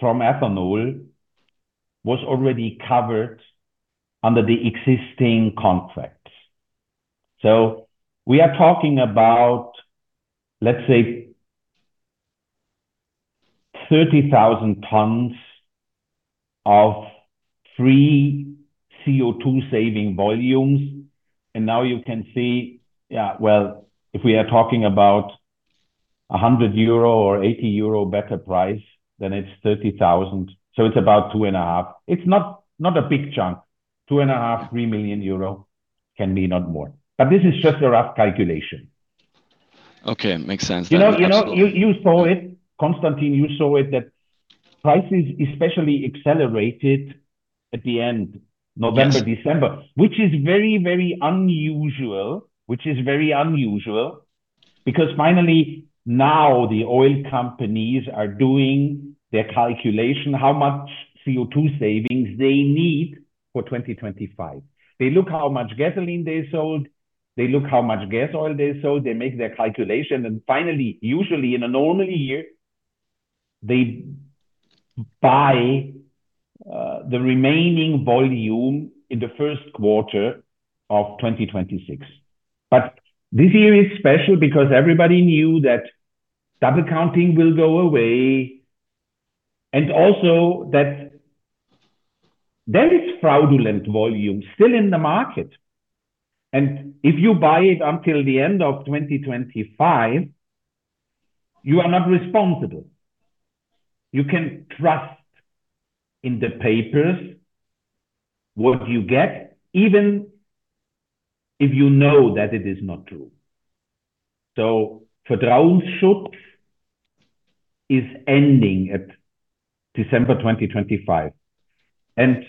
from ethanol was already covered under the existing contracts. So we are talking about, let's say, 30,000 tons of free CO2 saving volumes, and now you can see... Yeah, well, if we are talking about 100 euro or 80 euro better price, then it's 30,000, so it's about 2.5. It's not, not a big chunk. 2.5-3 million euro can be, not more, but this is just a rough calculation. Okay. Makes sense. You know, you know, you, you saw it, Konstantin, you saw it, that prices especially accelerated at the end- Yes... November, December, which is very, very unusual. Which is very unusual because finally, now the oil companies are doing their calculation, how much CO2 savings they need for 2025. They look how much gasoline they sold. They look how much gas oil they sold, they make their calculation, and finally, usually in a normal year, they buy the remaining volume in the first quarter of 2026. But this year is special because everybody knew that double counting will go away, and also that there is fraudulent volume still in the market. And if you buy it until the end of 2025, you are not responsible. You can trust in the papers what you get, even if you know that it is not true. So for the quota, it's ending at December 2025, and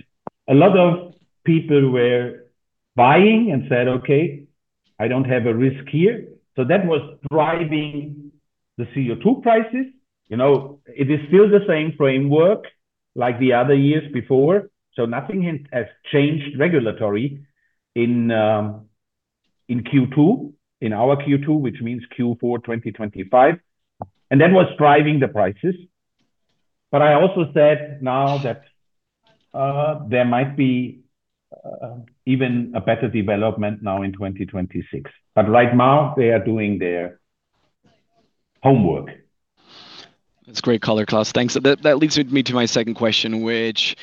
a lot of people were buying and said, "Okay, I don't have a risk here." So that was driving the CO2 prices. You know, it is still the same framework like the other years before, so nothing has changed, regulatory, in our Q2, which means Q4 2025, and that was driving the prices. But I also said now that there might be even a better development now in 2026. But right now, they are doing their homework. That's great color, Claus. Thanks. That leads me to my second question, which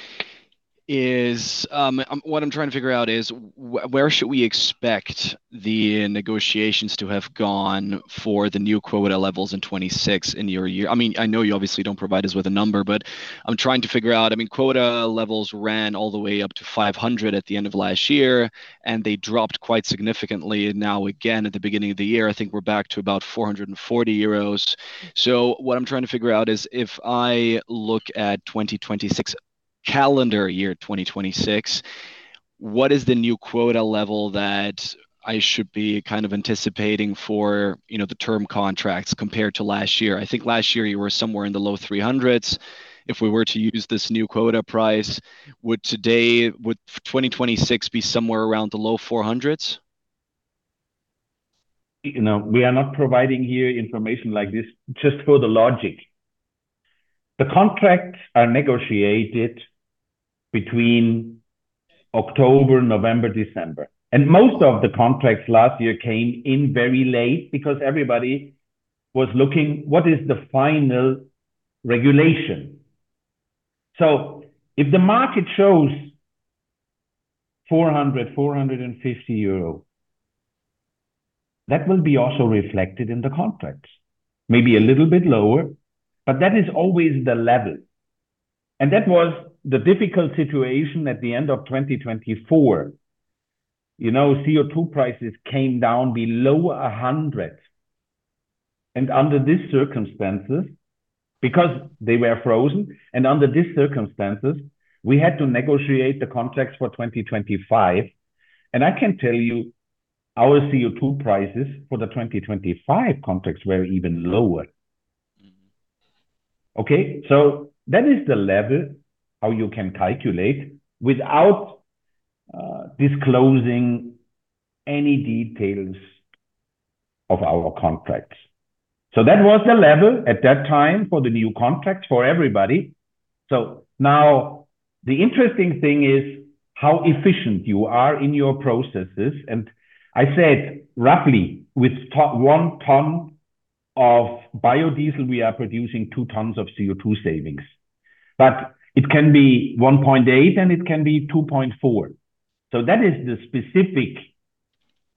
is, what I'm trying to figure out is where should we expect the negotiations to have gone for the new quota levels in 2026 in your year? I mean, I know you obviously don't provide us with a number, but I'm trying to figure out, I mean, quota levels ran all the way up to 500 at the end of last year, and they dropped quite significantly. Now, again, at the beginning of the year, I think we're back to about 440 euros. So what I'm trying to figure out is, if I look at 2026, calendar year 2026, what is the new quota level that I should be kind of anticipating for, you know, the term contracts compared to last year? I think last year you were somewhere in the low 300s. If we were to use this new quota price, would 2026 be somewhere around the low 400s? You know, we are not providing here information like this. Just for the logic, the contracts are negotiated between October, November, December, and most of the contracts last year came in very late because everybody was looking, what is the final regulation? So if the market shows 400-450 EUR, that will be also reflected in the contracts. Maybe a little bit lower, but that is always the level, and that was the difficult situation at the end of 2024. You know, CO2 prices came down below 100, and under these circumstances, because they were frozen, and under these circumstances, we had to negotiate the contracts for 2025. And I can tell you, our CO2 prices for the 2025 contracts were even lower. Mm-hmm. Okay? So that is the level how you can calculate without disclosing any details of our contracts. So that was the level at that time for the new contract for everybody. So now the interesting thing is how efficient you are in your processes, and I said roughly with 2-to-1 ton of biodiesel, we are producing 2 tons of CO2 savings. But it can be 1.8, and it can be 2.4. So that is the specific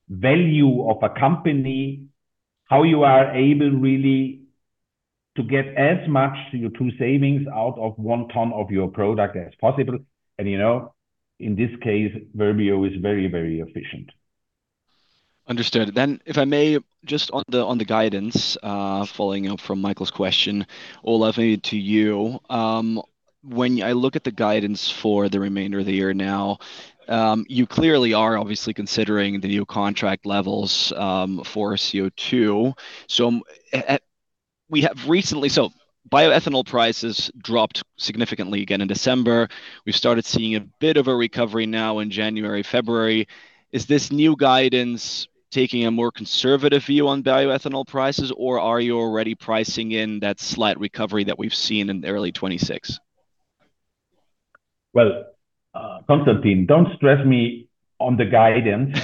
value of a company, how you are able really to get as much CO2 savings out of 1 ton of your product as possible, and, you know, in this case, VERBIO is very, very efficient. Understood. Then if I may, just on the guidance, Olaf, over to you. When I look at the guidance for the remainder of the year now, you clearly are obviously considering the new contract levels for CO2. So bioethanol prices dropped significantly again in December. We've started seeing a bit of a recovery now in January, February. Is this new guidance taking a more conservative view on bioethanol prices, or are you already pricing in that slight recovery that we've seen in early 2026? Well, Konstantin, don't stress me on the guidance.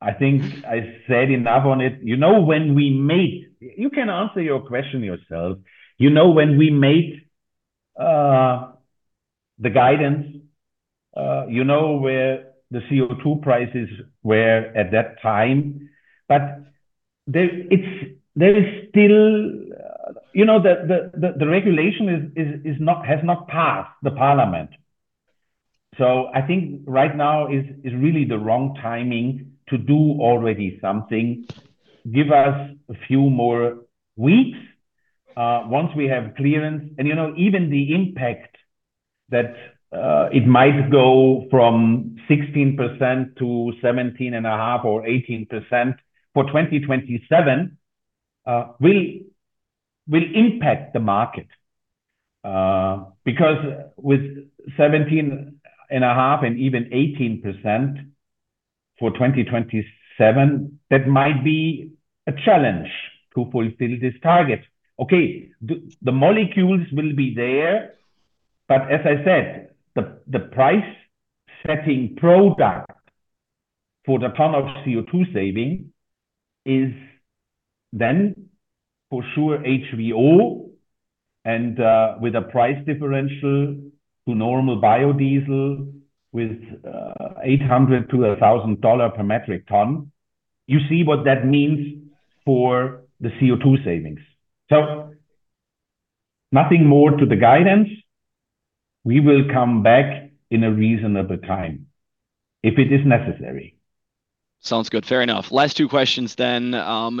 I think I said enough on it. You know, when we make... You can answer your question yourself. You know, when we make the guidance, you know, where the CO2 prices were at that time, but there is still, you know, the regulation has not passed the parliament. So I think right now is really the wrong timing to do already something. Give us a few more weeks once we have clearance. And, you know, even the impact that it might go from 16% to 17.5 or 18% for 2027 will impact the market because with 17.5 and even 18% for 2027, that might be a challenge to fulfill this target. Okay, the molecules will be there, but as I said, the price-setting product for the ton of CO2 saving is then for sure HVO, and with a price differential to normal biodiesel with $800-$1,000 per metric ton. You see what that means for the CO2 savings. So nothing more to the guidance. We will come back in a reasonable time if it is necessary. Sounds good. Fair enough. Last two questions then,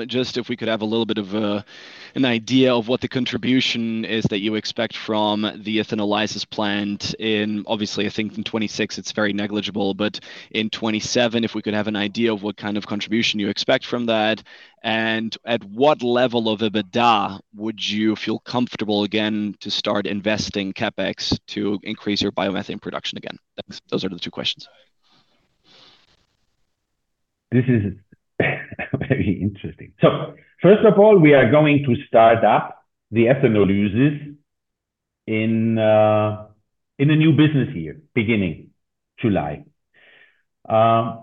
just if we could have a little bit of an idea of what the contribution is that you expect from the ethanolysis plant in, obviously, I think in 2026 it's very negligible, but in 2027, if we could have an idea of what kind of contribution you expect from that, and at what level of EBITDA would you feel comfortable again to start investing CapEx to increase your biomethane production again? Thanks. Those are the two questions. This is very interesting. So first of all, we are going to start up the ethanolysis in the new business year, beginning July. I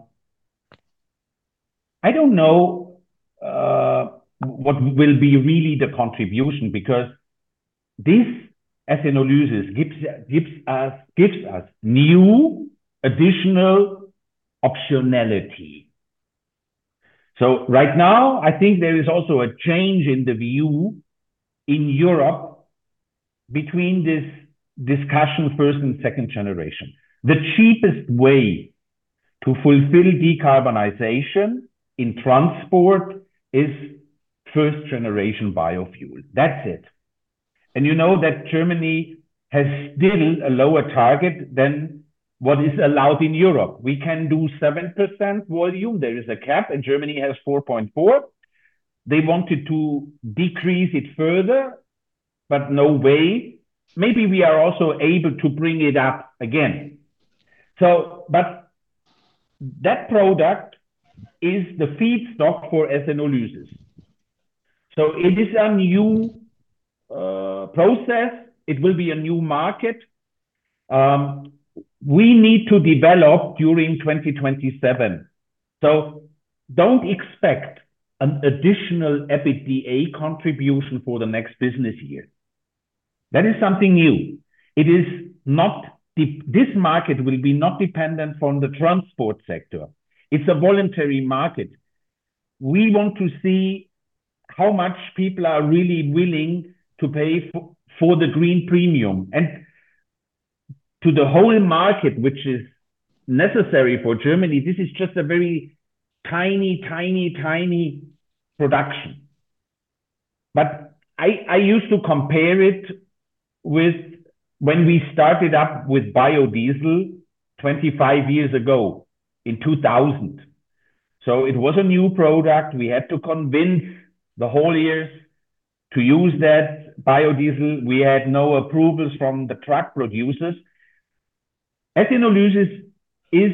don't know what will be really the contribution, because this ethanolysis gives us new additional optionality. So right now, I think there is also a change in the view in Europe between this discussion, first and second generation. The cheapest way to fulfill decarbonization in transport is first generation biofuel. That's it. And you know that Germany has still a lower target than what is allowed in Europe. We can do 7% volume. There is a cap, and Germany has 4.4. They wanted to decrease it further, but no way. Maybe we are also able to bring it up again. So, but that product is the feedstock for ethanolysis. So it is a new process. It will be a new market, we need to develop during 2027. So don't expect an additional EBITDA contribution for the next business year. That is something new. This market will be not dependent on the transport sector. It's a voluntary market. We want to see how much people are really willing to pay for the green premium. And to the whole market, which is necessary for Germany, this is just a very tiny, tiny, tiny production. But I used to compare it with when we started up with biodiesel 25 years ago in 2000. So it was a new product. We had to convince the whole years to use that biodiesel. We had no approvals from the truck producers. Ethanolysis is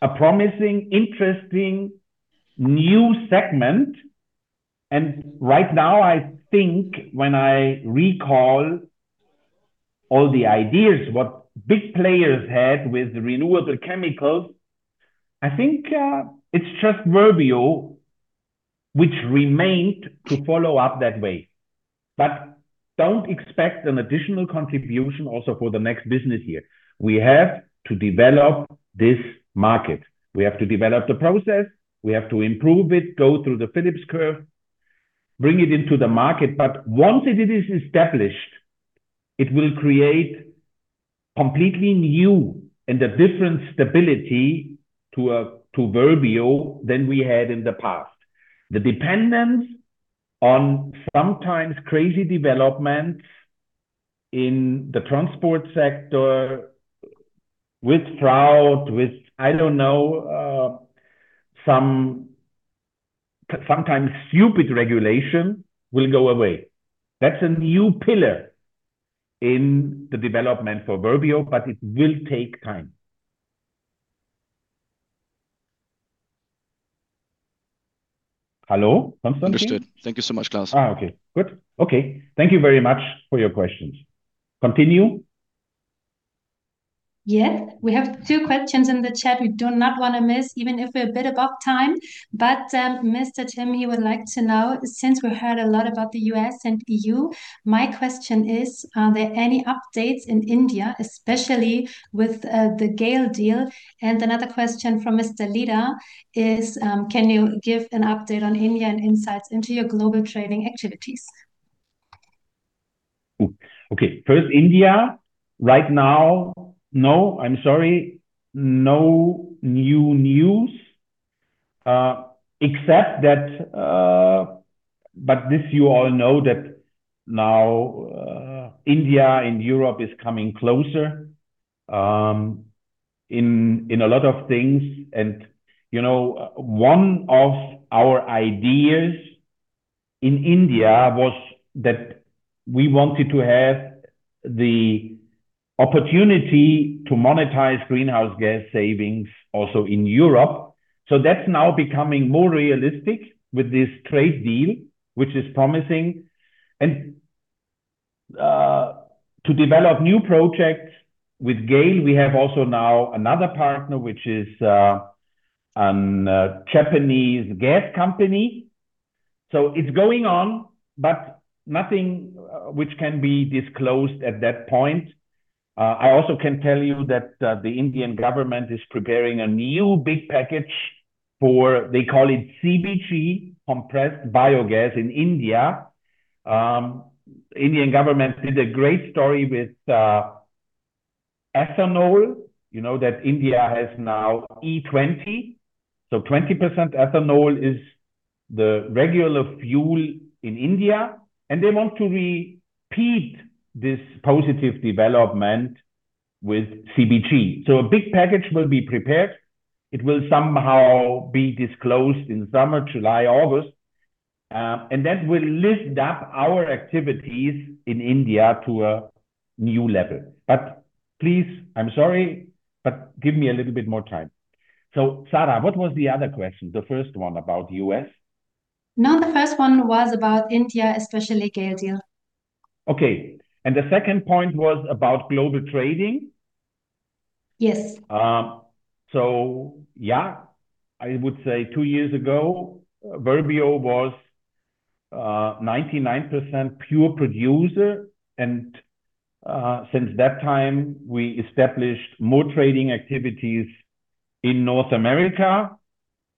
a promising, interesting, new segment, and right now, I think when I recall all the ideas, what big players had with renewable chemicals, I think, it's just Verbio which remained to follow up that way. But don't expect an additional contribution also for the next business year. We have to develop this market. We have to develop the process, we have to improve it, go through the Phillips curve, bring it into the market. But once it is established, it will create completely new and a different stability to a, to Verbio than we had in the past. The dependence on sometimes crazy developments in the transport sector with drought, with, I don't know, some sometimes stupid regulation will go away. That's a new pillar in the development for Verbio, but it will take time. Hello, Konstantin? Understood. Thank you so much, Claus. Ah, okay, good. Okay. Thank you very much for your questions. Continue? Yeah, we have two questions in the chat we do not want to miss, even if we're a bit above time. But, Mr. Tim, he would like to know, "Since we've heard a lot about the U.S. and E.U., my question is, are there any updates in India, especially with the GAIL deal?" And another question from Mr. Lida is, "Can you give an update on India and insights into your global trading activities? Okay. First, India. Right now, no, I'm sorry, no new news, except that, but this you all know that now, India and Europe is coming closer. In a lot of things. You know, one of our ideas in India was that we wanted to have the opportunity to monetize greenhouse gas savings also in Europe. So that's now becoming more realistic with this trade deal, which is promising. To develop new projects with GAIL, we have also now another partner, which is an Japanese gas company. So it's going on, but nothing which can be disclosed at that point. I also can tell you that the Indian government is preparing a new big package for, they call it CBG, compressed biogas in India. Indian government did a great story with ethanol. You know that India has now E-20, so 20% ethanol is the regular fuel in India, and they want to repeat this positive development with CBG. So a big package will be prepared. It will somehow be disclosed in summer, July, August, and that will lift up our activities in India to a new level. But please, I'm sorry, but give me a little bit more time. So, Sarah, what was the other question? The first one about U.S.? No, the first one was about India, especially GAIL deal. Okay. And the second point was about global trading? Yes. So yeah, I would say two years ago, Verbio was 99% pure producer, and since that time, we established more trading activities in North America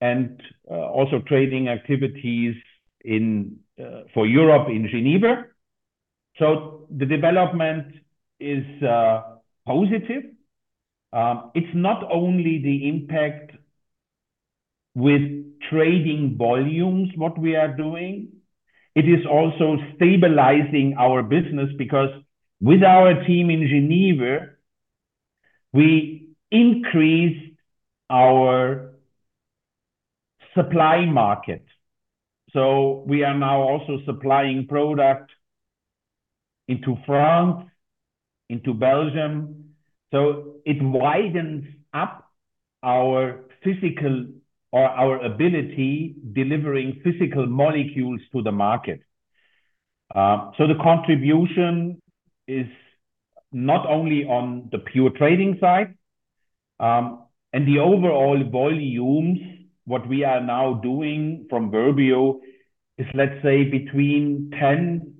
and also trading activities in for Europe, in Geneva. So the development is positive. It's not only the impact with trading volumes, what we are doing, it is also stabilizing our business, because with our team in Geneva, we increased our supply market. So we are now also supplying product into France, into Belgium. So it widens up our physical, or our ability, delivering physical molecules to the market. So the contribution is not only on the pure trading side, and the overall volumes, what we are now doing from Verbio is, let's say, between 10%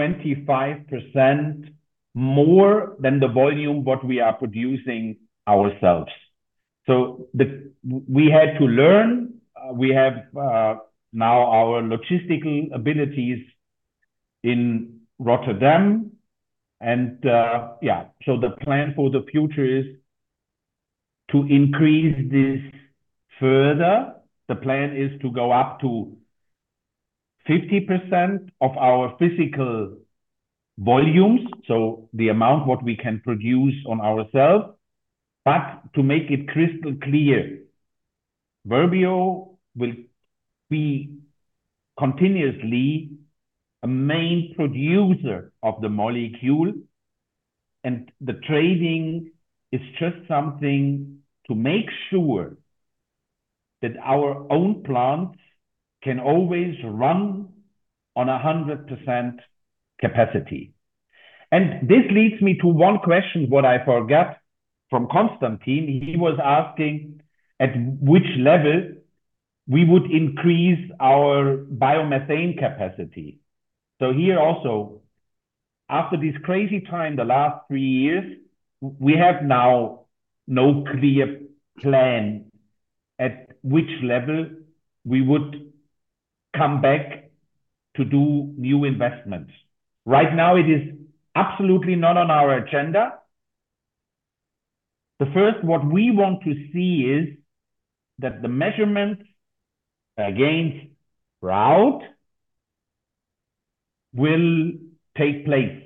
and 25% more than the volume what we are producing ourselves. So we had to learn, we have now our logistical abilities in Rotterdam, and yeah. So the plan for the future is to increase this further. The plan is to go up to 50% of our physical volumes, so the amount what we can produce on ourselves. But to make it crystal clear, Verbio will be continuously a main producer of the molecule, and the trading is just something to make sure that our own plants can always run on 100% capacity. And this leads me to one question, what I forgot from Konstantin. He was asking, at which level we would increase our biomethane capacity? So here also, after this crazy time, the last three years, we have now no clear plan at which level we would come back to do new investments. Right now, it is absolutely not on our agenda. The first, what we want to see is that the measurements against fraud will take place,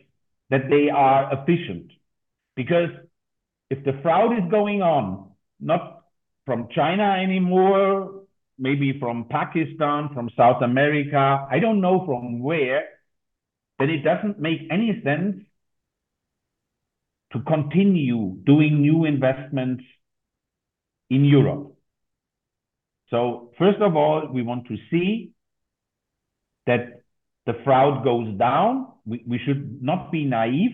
that they are efficient. Because if the fraud is going on, not from China anymore, maybe from Pakistan, from South America, I don't know from where, then it doesn't make any sense to continue doing new investments in Europe. So first of all, we want to see that the fraud goes down. We should not be naive,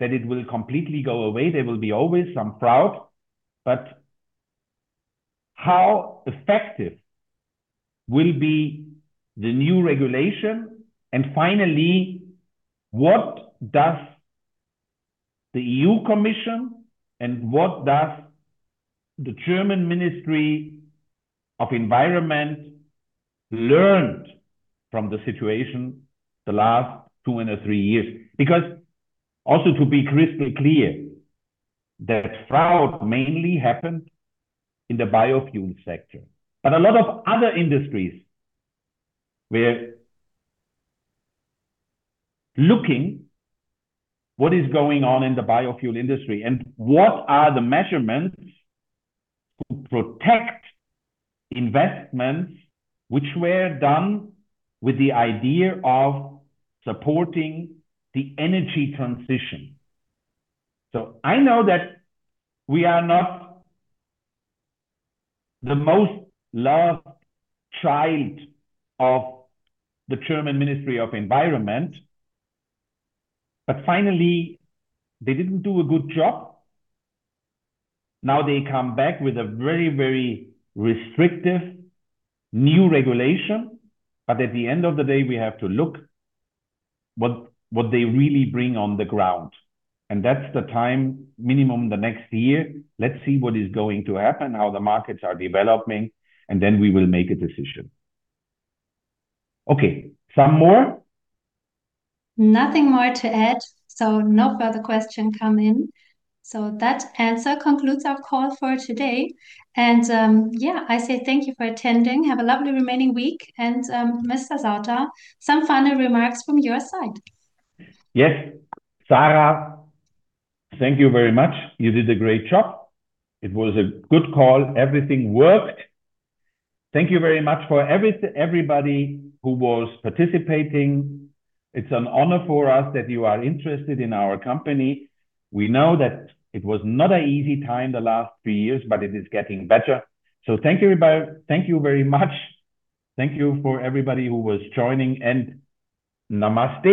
that it will completely go away, there will be always some fraud. But how effective will be the new regulation? And finally, what does the EU Commission and what does the German Ministry of Environment learned from the situation the last two and a three years? Because also, to be crystal clear, that fraud mainly happened in the biofuel sector, but a lot of other industries were looking what is going on in the biofuel industry, and what are the measurements to protect investments which were done with the idea of supporting the energy transition. So I know that we are not the most loved child of the German Ministry of Environment, but finally, they didn't do a good job. Now, they come back with a very, very restrictive new regulation, but at the end of the day, we have to look what they really bring on the ground, and that's the time, minimum the next year. Let's see what is going to happen, how the markets are developing, and then we will make a decision. Okay, some more? Nothing more to add, so no further question come in. So that answer concludes our call for today. And, yeah, I say thank you for attending. Have a lovely remaining week and, Mr. Sauter, some final remarks from your side. Yes, Sarah, thank you very much. You did a great job. It was a good call. Everything worked. Thank you very much for everybody who was participating. It's an honor for us that you are interested in our company. We know that it was not an easy time the last three years, but it is getting better. So thank you, everybody. Thank you very much. Thank you for everybody who was joining, and namaste.